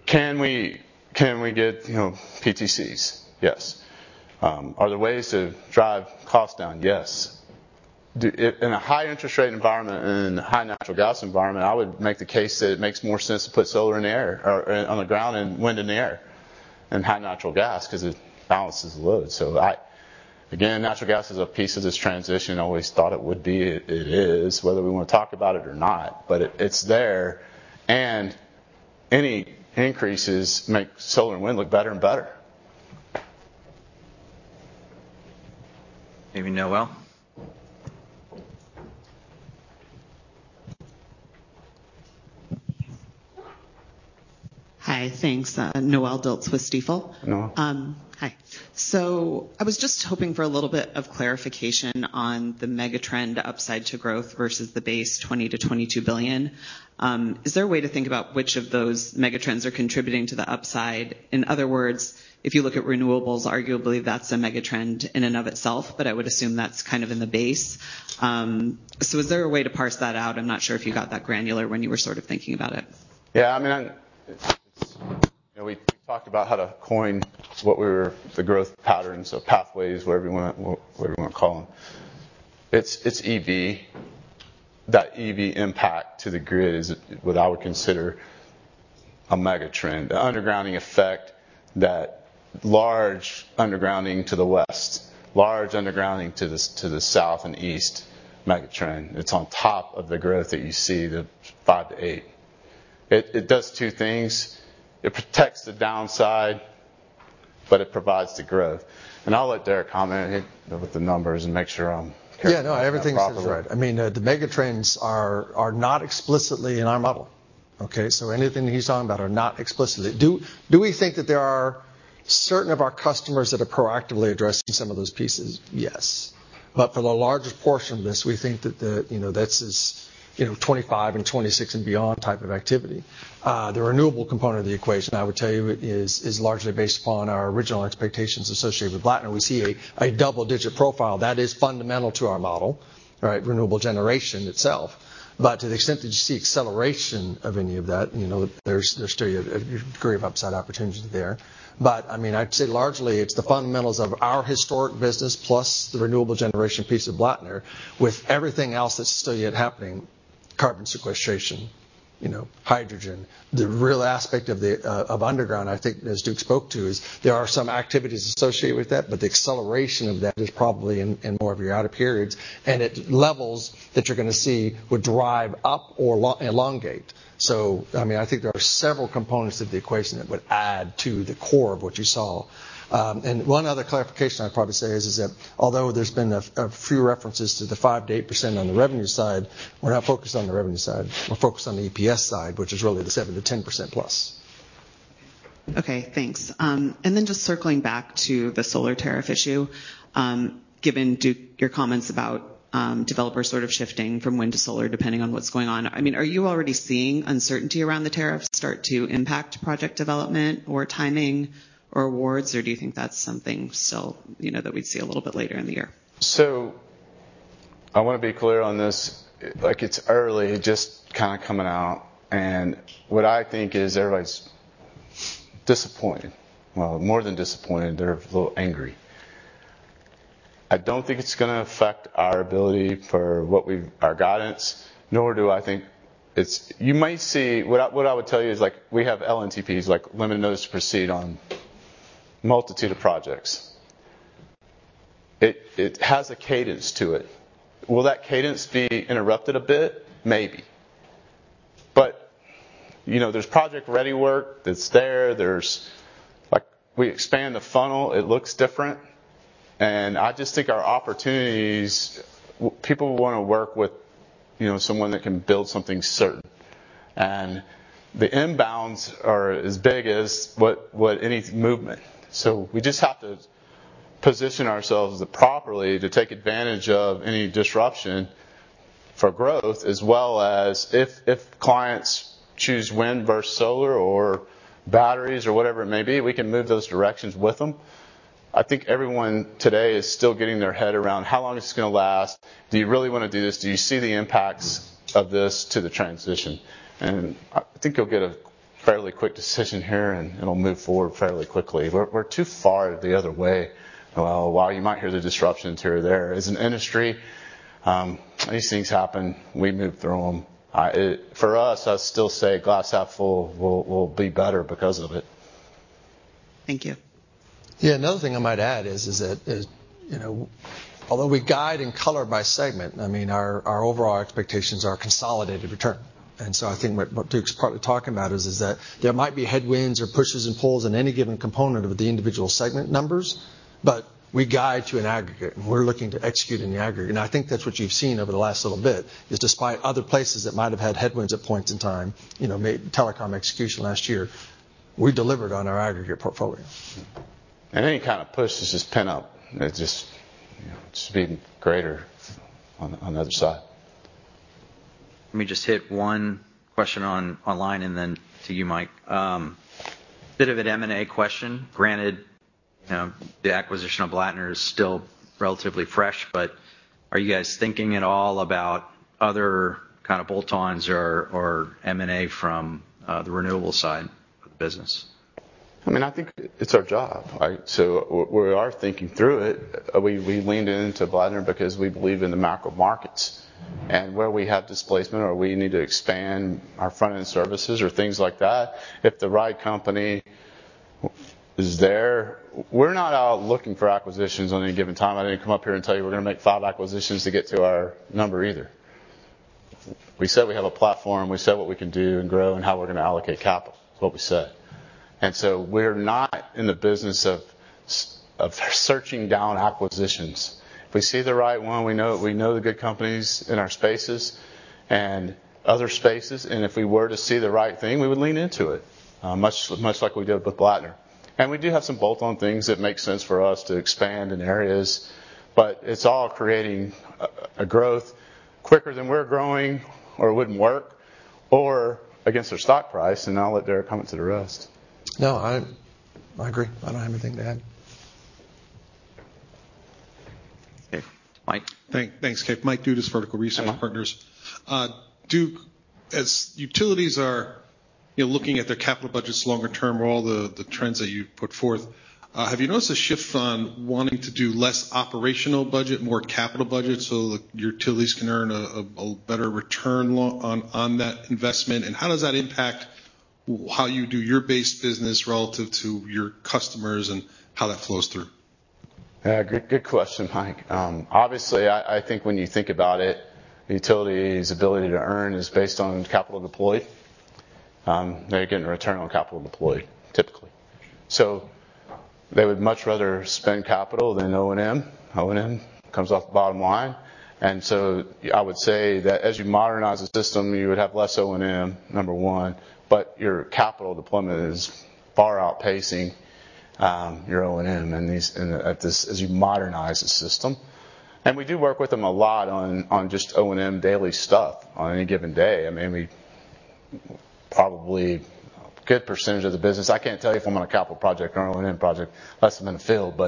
Can we get, you know, PTCs? Yes. Are there ways to drive costs down? Yes. In a high interest rate environment and high natural gas environment, I would make the case that it makes more sense to put solar in the air or on the ground and wind in the air than high natural gas 'cause it balances the load. Again, natural gas is a piece of this transition. I always thought it would be. It is, whether we want to talk about it or not. But it's there, and any increases make solar and wind look better and better. Maybe Noelle. Hi. Thanks. Noelle Dilts with Stifel. Noelle. Hi. I was just hoping for a little bit of clarification on the mega trend upside to growth versus the base $20 billion-$22 billion. Is there a way to think about which of those mega trends are contributing to the upside? In other words, if you look at renewables, arguably, that's a mega trend in and of itself, but I would assume that's kind of in the base. Is there a way to parse that out? I'm not sure if you got that granular when you were sort of thinking about it. Yeah. I mean, it's. You know, we talked about the growth patterns or pathways, whatever you wanna call them. It's EV. That EV impact to the grid is what I would consider a mega trend. The undergrounding effect, that large undergrounding to the west, large undergrounding to the south and east mega trend. It's on top of the growth that you see, the 5%-8%. It does two things. It protects the downside, but it provides the growth. I'll let Derrick comment with the numbers and make sure I'm careful. Yeah. No, everything's simple, right? I mean, the mega trends are not explicitly in our model, okay? So anything he's talking about are not explicitly. Do we think that there are certain of our customers that are proactively addressing some of those pieces? Yes. But for the largest portion of this, we think that that's you know, 25 and 26 and beyond type of activity. The renewable component of the equation, I would tell you is largely based upon our original expectations associated with Blattner. We see a double-digit profile that is fundamental to our model, right? Renewable generation itself. But to the extent that you see acceleration of any of that, you know, there's still a degree of upside opportunity there. I mean, I'd say largely it's the fundamentals of our historic business plus the renewable generation piece of Blattner with everything else that's still yet happening, carbon sequestration, you know, hydrogen. The real aspect of the underground, I think as Duke Austin spoke to, is there are some activities associated with that, but the acceleration of that is probably in more of your outer periods. At levels that you're gonna see would drive up or elongate. I mean, I think there are several components of the equation that would add to the core of what you saw. One other clarification I'd probably say is that although there's been a few references to the 5%-8% on the revenue side, we're not focused on the revenue side. We're focused on the EPS side, which is really the 7%-10%+. Okay, thanks. Just circling back to the solar tariff issue, given, Duke, your comments about developers sort of shifting from wind to solar depending on what's going on. I mean, are you already seeing uncertainty around the tariffs start to impact project development or timing or awards, or do you think that's something still, you know, that we'd see a little bit later in the year? I want to be clear on this. Like, it's early, just kinda coming out, and what I think is everybody's disappointed. Well, more than disappointed. They're a little angry. I don't think it's gonna affect our ability for our guidance, nor do I think it is. What I would tell you is, like, we have LNTPs, like, limited notice to proceed on multitude of projects. It has a cadence to it. Will that cadence be interrupted a bit? Maybe. You know, there's project ready work that's there. Like, we expand the funnel, it looks different. I just think our opportunities, people wanna work with, you know, someone that can build something certain. The inbounds are as big as what any movement. We just have to position ourselves properly to take advantage of any disruption for growth as well as if clients choose wind versus solar or batteries or whatever it may be, we can move those directions with them. I think everyone today is still getting their head around how long it's gonna last. Do you really wanna do this? Do you see the impacts of this to the transition? I think you'll get a fairly quick decision here, and it'll move forward fairly quickly. We're too far the other way. While you might hear the disruptions here or there, as an industry, these things happen. We move through them. For us, I still say glass half full. We'll be better because of it. Thank you. Yeah. Another thing I might add is that, you know, although we guide and color by segment, I mean, our overall expectations are consolidated return. I think what Duke's partly talking about is that there might be headwinds or pushes and pulls in any given component of the individual segment numbers, but we guide to an aggregate, and we're looking to execute in the aggregate. I think that's what you've seen over the last little bit, is despite other places that might have had headwinds at points in time, you know, telecom execution last year, we delivered on our aggregate portfolio. Any kind of push is just pent up. It just, you know, it's been greater on the other side. Let me just hit one question online and then to you, Mike. A bit of an M&A question. Granted, you know, the acquisition of Blattner is still relatively fresh, but are you guys thinking at all about other kind of bolt-ons or M&A from the renewables side of the business? I mean, I think it's our job, right? We are thinking through it. We leaned into Blattner because we believe in the macro markets. Where we have displacement or we need to expand our front-end services or things like that, if the right company is there. We're not out looking for acquisitions at any given time. I didn't come up here and tell you we're gonna make five acquisitions to get to our number either. We said we have a platform. We said what we can do and grow and how we're gonna allocate capital. It's what we said. We're not in the business of searching down acquisitions. If we see the right one, we know the good companies in our spaces and other spaces, and if we were to see the right thing, we would lean into it, much like we did with Blattner. We do have some bolt-on things that make sense for us to expand in areas, but it's all creating a growth quicker than we're growing or it wouldn't work or against our stock price. I'll let Derrick comment to the rest. No, I agree. I don't have anything to add. Okay. Mike. Thanks, Kip. Mike Dudas, Vertical Research Partners. Duke, as utilities are looking at their capital budgets longer term or all the trends that you've put forth, have you noticed a shift on wanting to do less operational budget, more capital budget, so the utilities can earn a better return on that investment? How does that impact how you do your base business relative to your customers and how that flows through? Yeah. Good question, Mike. Obviously, I think when you think about it, the utility's ability to earn is based on capital deployed. They're getting a return on capital deployed, typically. So they would much rather spend capital than O&M. O&M comes off the bottom line. I would say that as you modernize the system, you would have less O&M, number one, but your capital deployment is far outpacing your O&M and as you modernize the system. We do work with them a lot on just O&M daily stuff on any given day. I mean, we probably a good percentage of the business, I can't tell you if I'm on a capital project or an O&M project unless I'm in the field.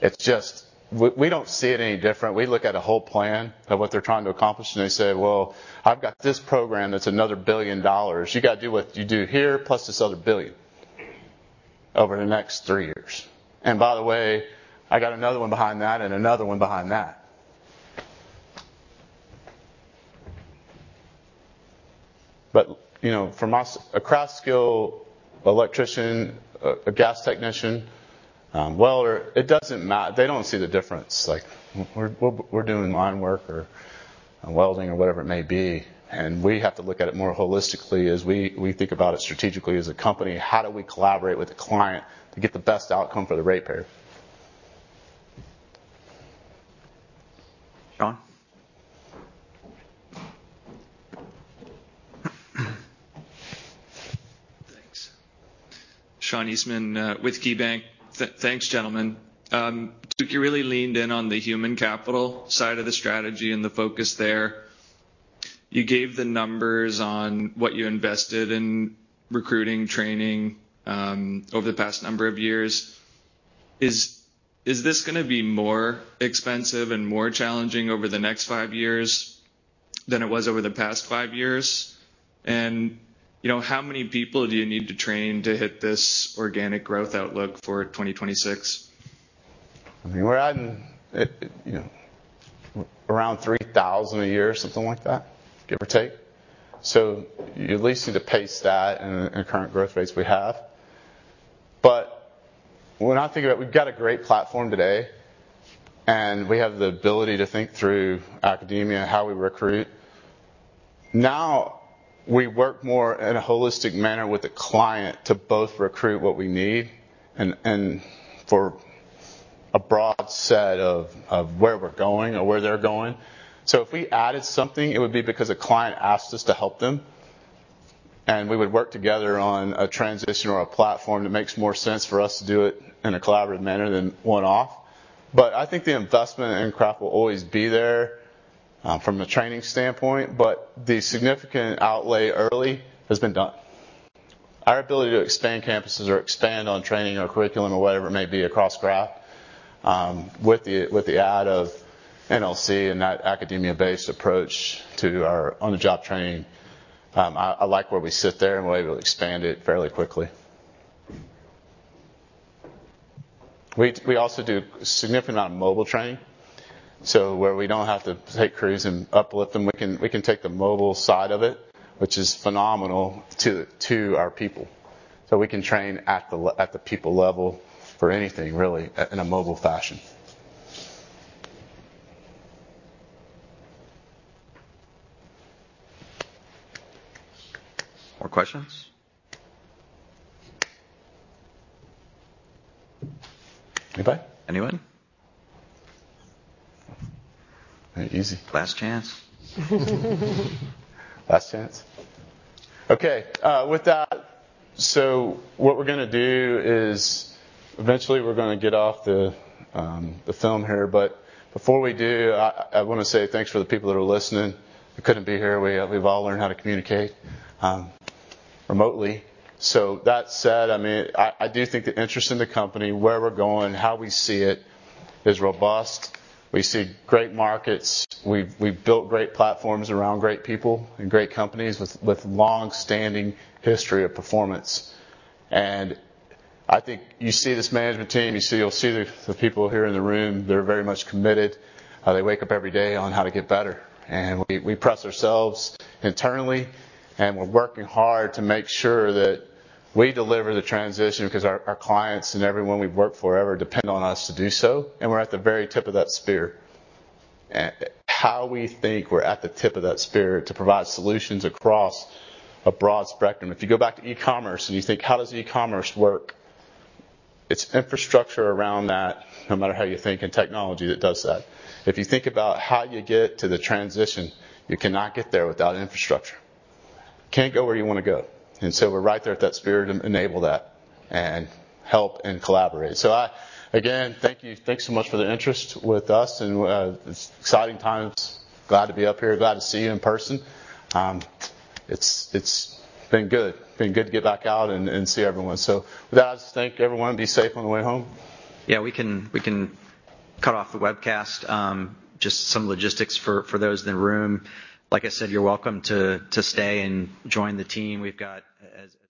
It's just we don't see it any different. We look at a whole plan of what they're trying to accomplish, and they say, "Well, I've got this program that's another $1 billion. You gotta do what you do here, plus this other $1 billion over the next three years. By the way, I got another one behind that and another one behind that." You know, from us, a craft skill electrician, a gas technician, welder, it doesn't matter. They don't see the difference. Like, "We're doing line work or welding or whatever it may be." We have to look at it more holistically as we think about it strategically as a company. How do we collaborate with the client to get the best outcome for the ratepayer? Sean? Thanks. Sean Eastman with KeyBanc. Thanks, gentlemen. Duke, you really leaned in on the human capital side of the strategy and the focus there. You gave the numbers on what you invested in recruiting, training, over the past number of years. Is this gonna be more expensive and more challenging over the next five years than it was over the past five years? You know, how many people do you need to train to hit this organic growth outlook for 2026? I mean, we're adding around 3,000 a year, something like that, give or take. You at least need to pace that in the current growth rates we have. When I think about it, we've got a great platform today, and we have the ability to think through academia and how we recruit. Now, we work more in a holistic manner with the client to both recruit what we need and for a broad set of where we're going or where they're going. If we added something, it would be because a client asked us to help them, and we would work together on a transition or a platform that makes more sense for us to do it in a collaborative manner than one-off. I think the investment in craft will always be there from a training standpoint, but the significant outlay early has been done. Our ability to expand campuses or expand on training our curriculum or whatever it may be across craft, with the add of NLC and that academia-based approach to our on-the-job training, I like where we sit there and we're able to expand it fairly quickly. We also do significant amount of mobile training. Where we don't have to take crews and uplift them, we can take the mobile side of it, which is phenomenal to our people. We can train at the people level for anything, really, in a mobile fashion. More questions? Anybody? Anyone? All right, easy. Last chance. Last chance. Okay. With that, what we're gonna do is eventually we're gonna get off the line here. But before we do, I wanna say thanks for the people that are listening who couldn't be here. We've all learned how to communicate remotely. That said, I mean, I do think the interest in the company, where we're going, how we see it is robust. We see great markets. We've built great platforms around great people and great companies with longstanding history of performance. I think you see this management team. You'll see the people here in the room. They're very much committed, how they wake up every day on how to get better. We press ourselves internally, and we're working hard to make sure that we deliver the transition because our clients and everyone we've worked for ever depend on us to do so, and we're at the very tip of that spear. We think we're at the tip of that spear to provide solutions across a broad spectrum. If you go back to e-commerce and you think, how does e-commerce work? It's infrastructure around that, no matter how you think, and technology that does that. If you think about how you get to the transition, you cannot get there without infrastructure. Can't go where you wanna go. We're right there at that spear to enable that and help and collaborate. I, again, thank you. Thanks so much for the interest with us, and it's exciting times. Glad to be up here. Glad to see you in person. It's been good to get back out and see everyone. With that, I just thank everyone. Be safe on the way home. Yeah, we can cut off the webcast. Just some logistics for those in the room. Like I said, you're welcome to stay and join the team. We've got as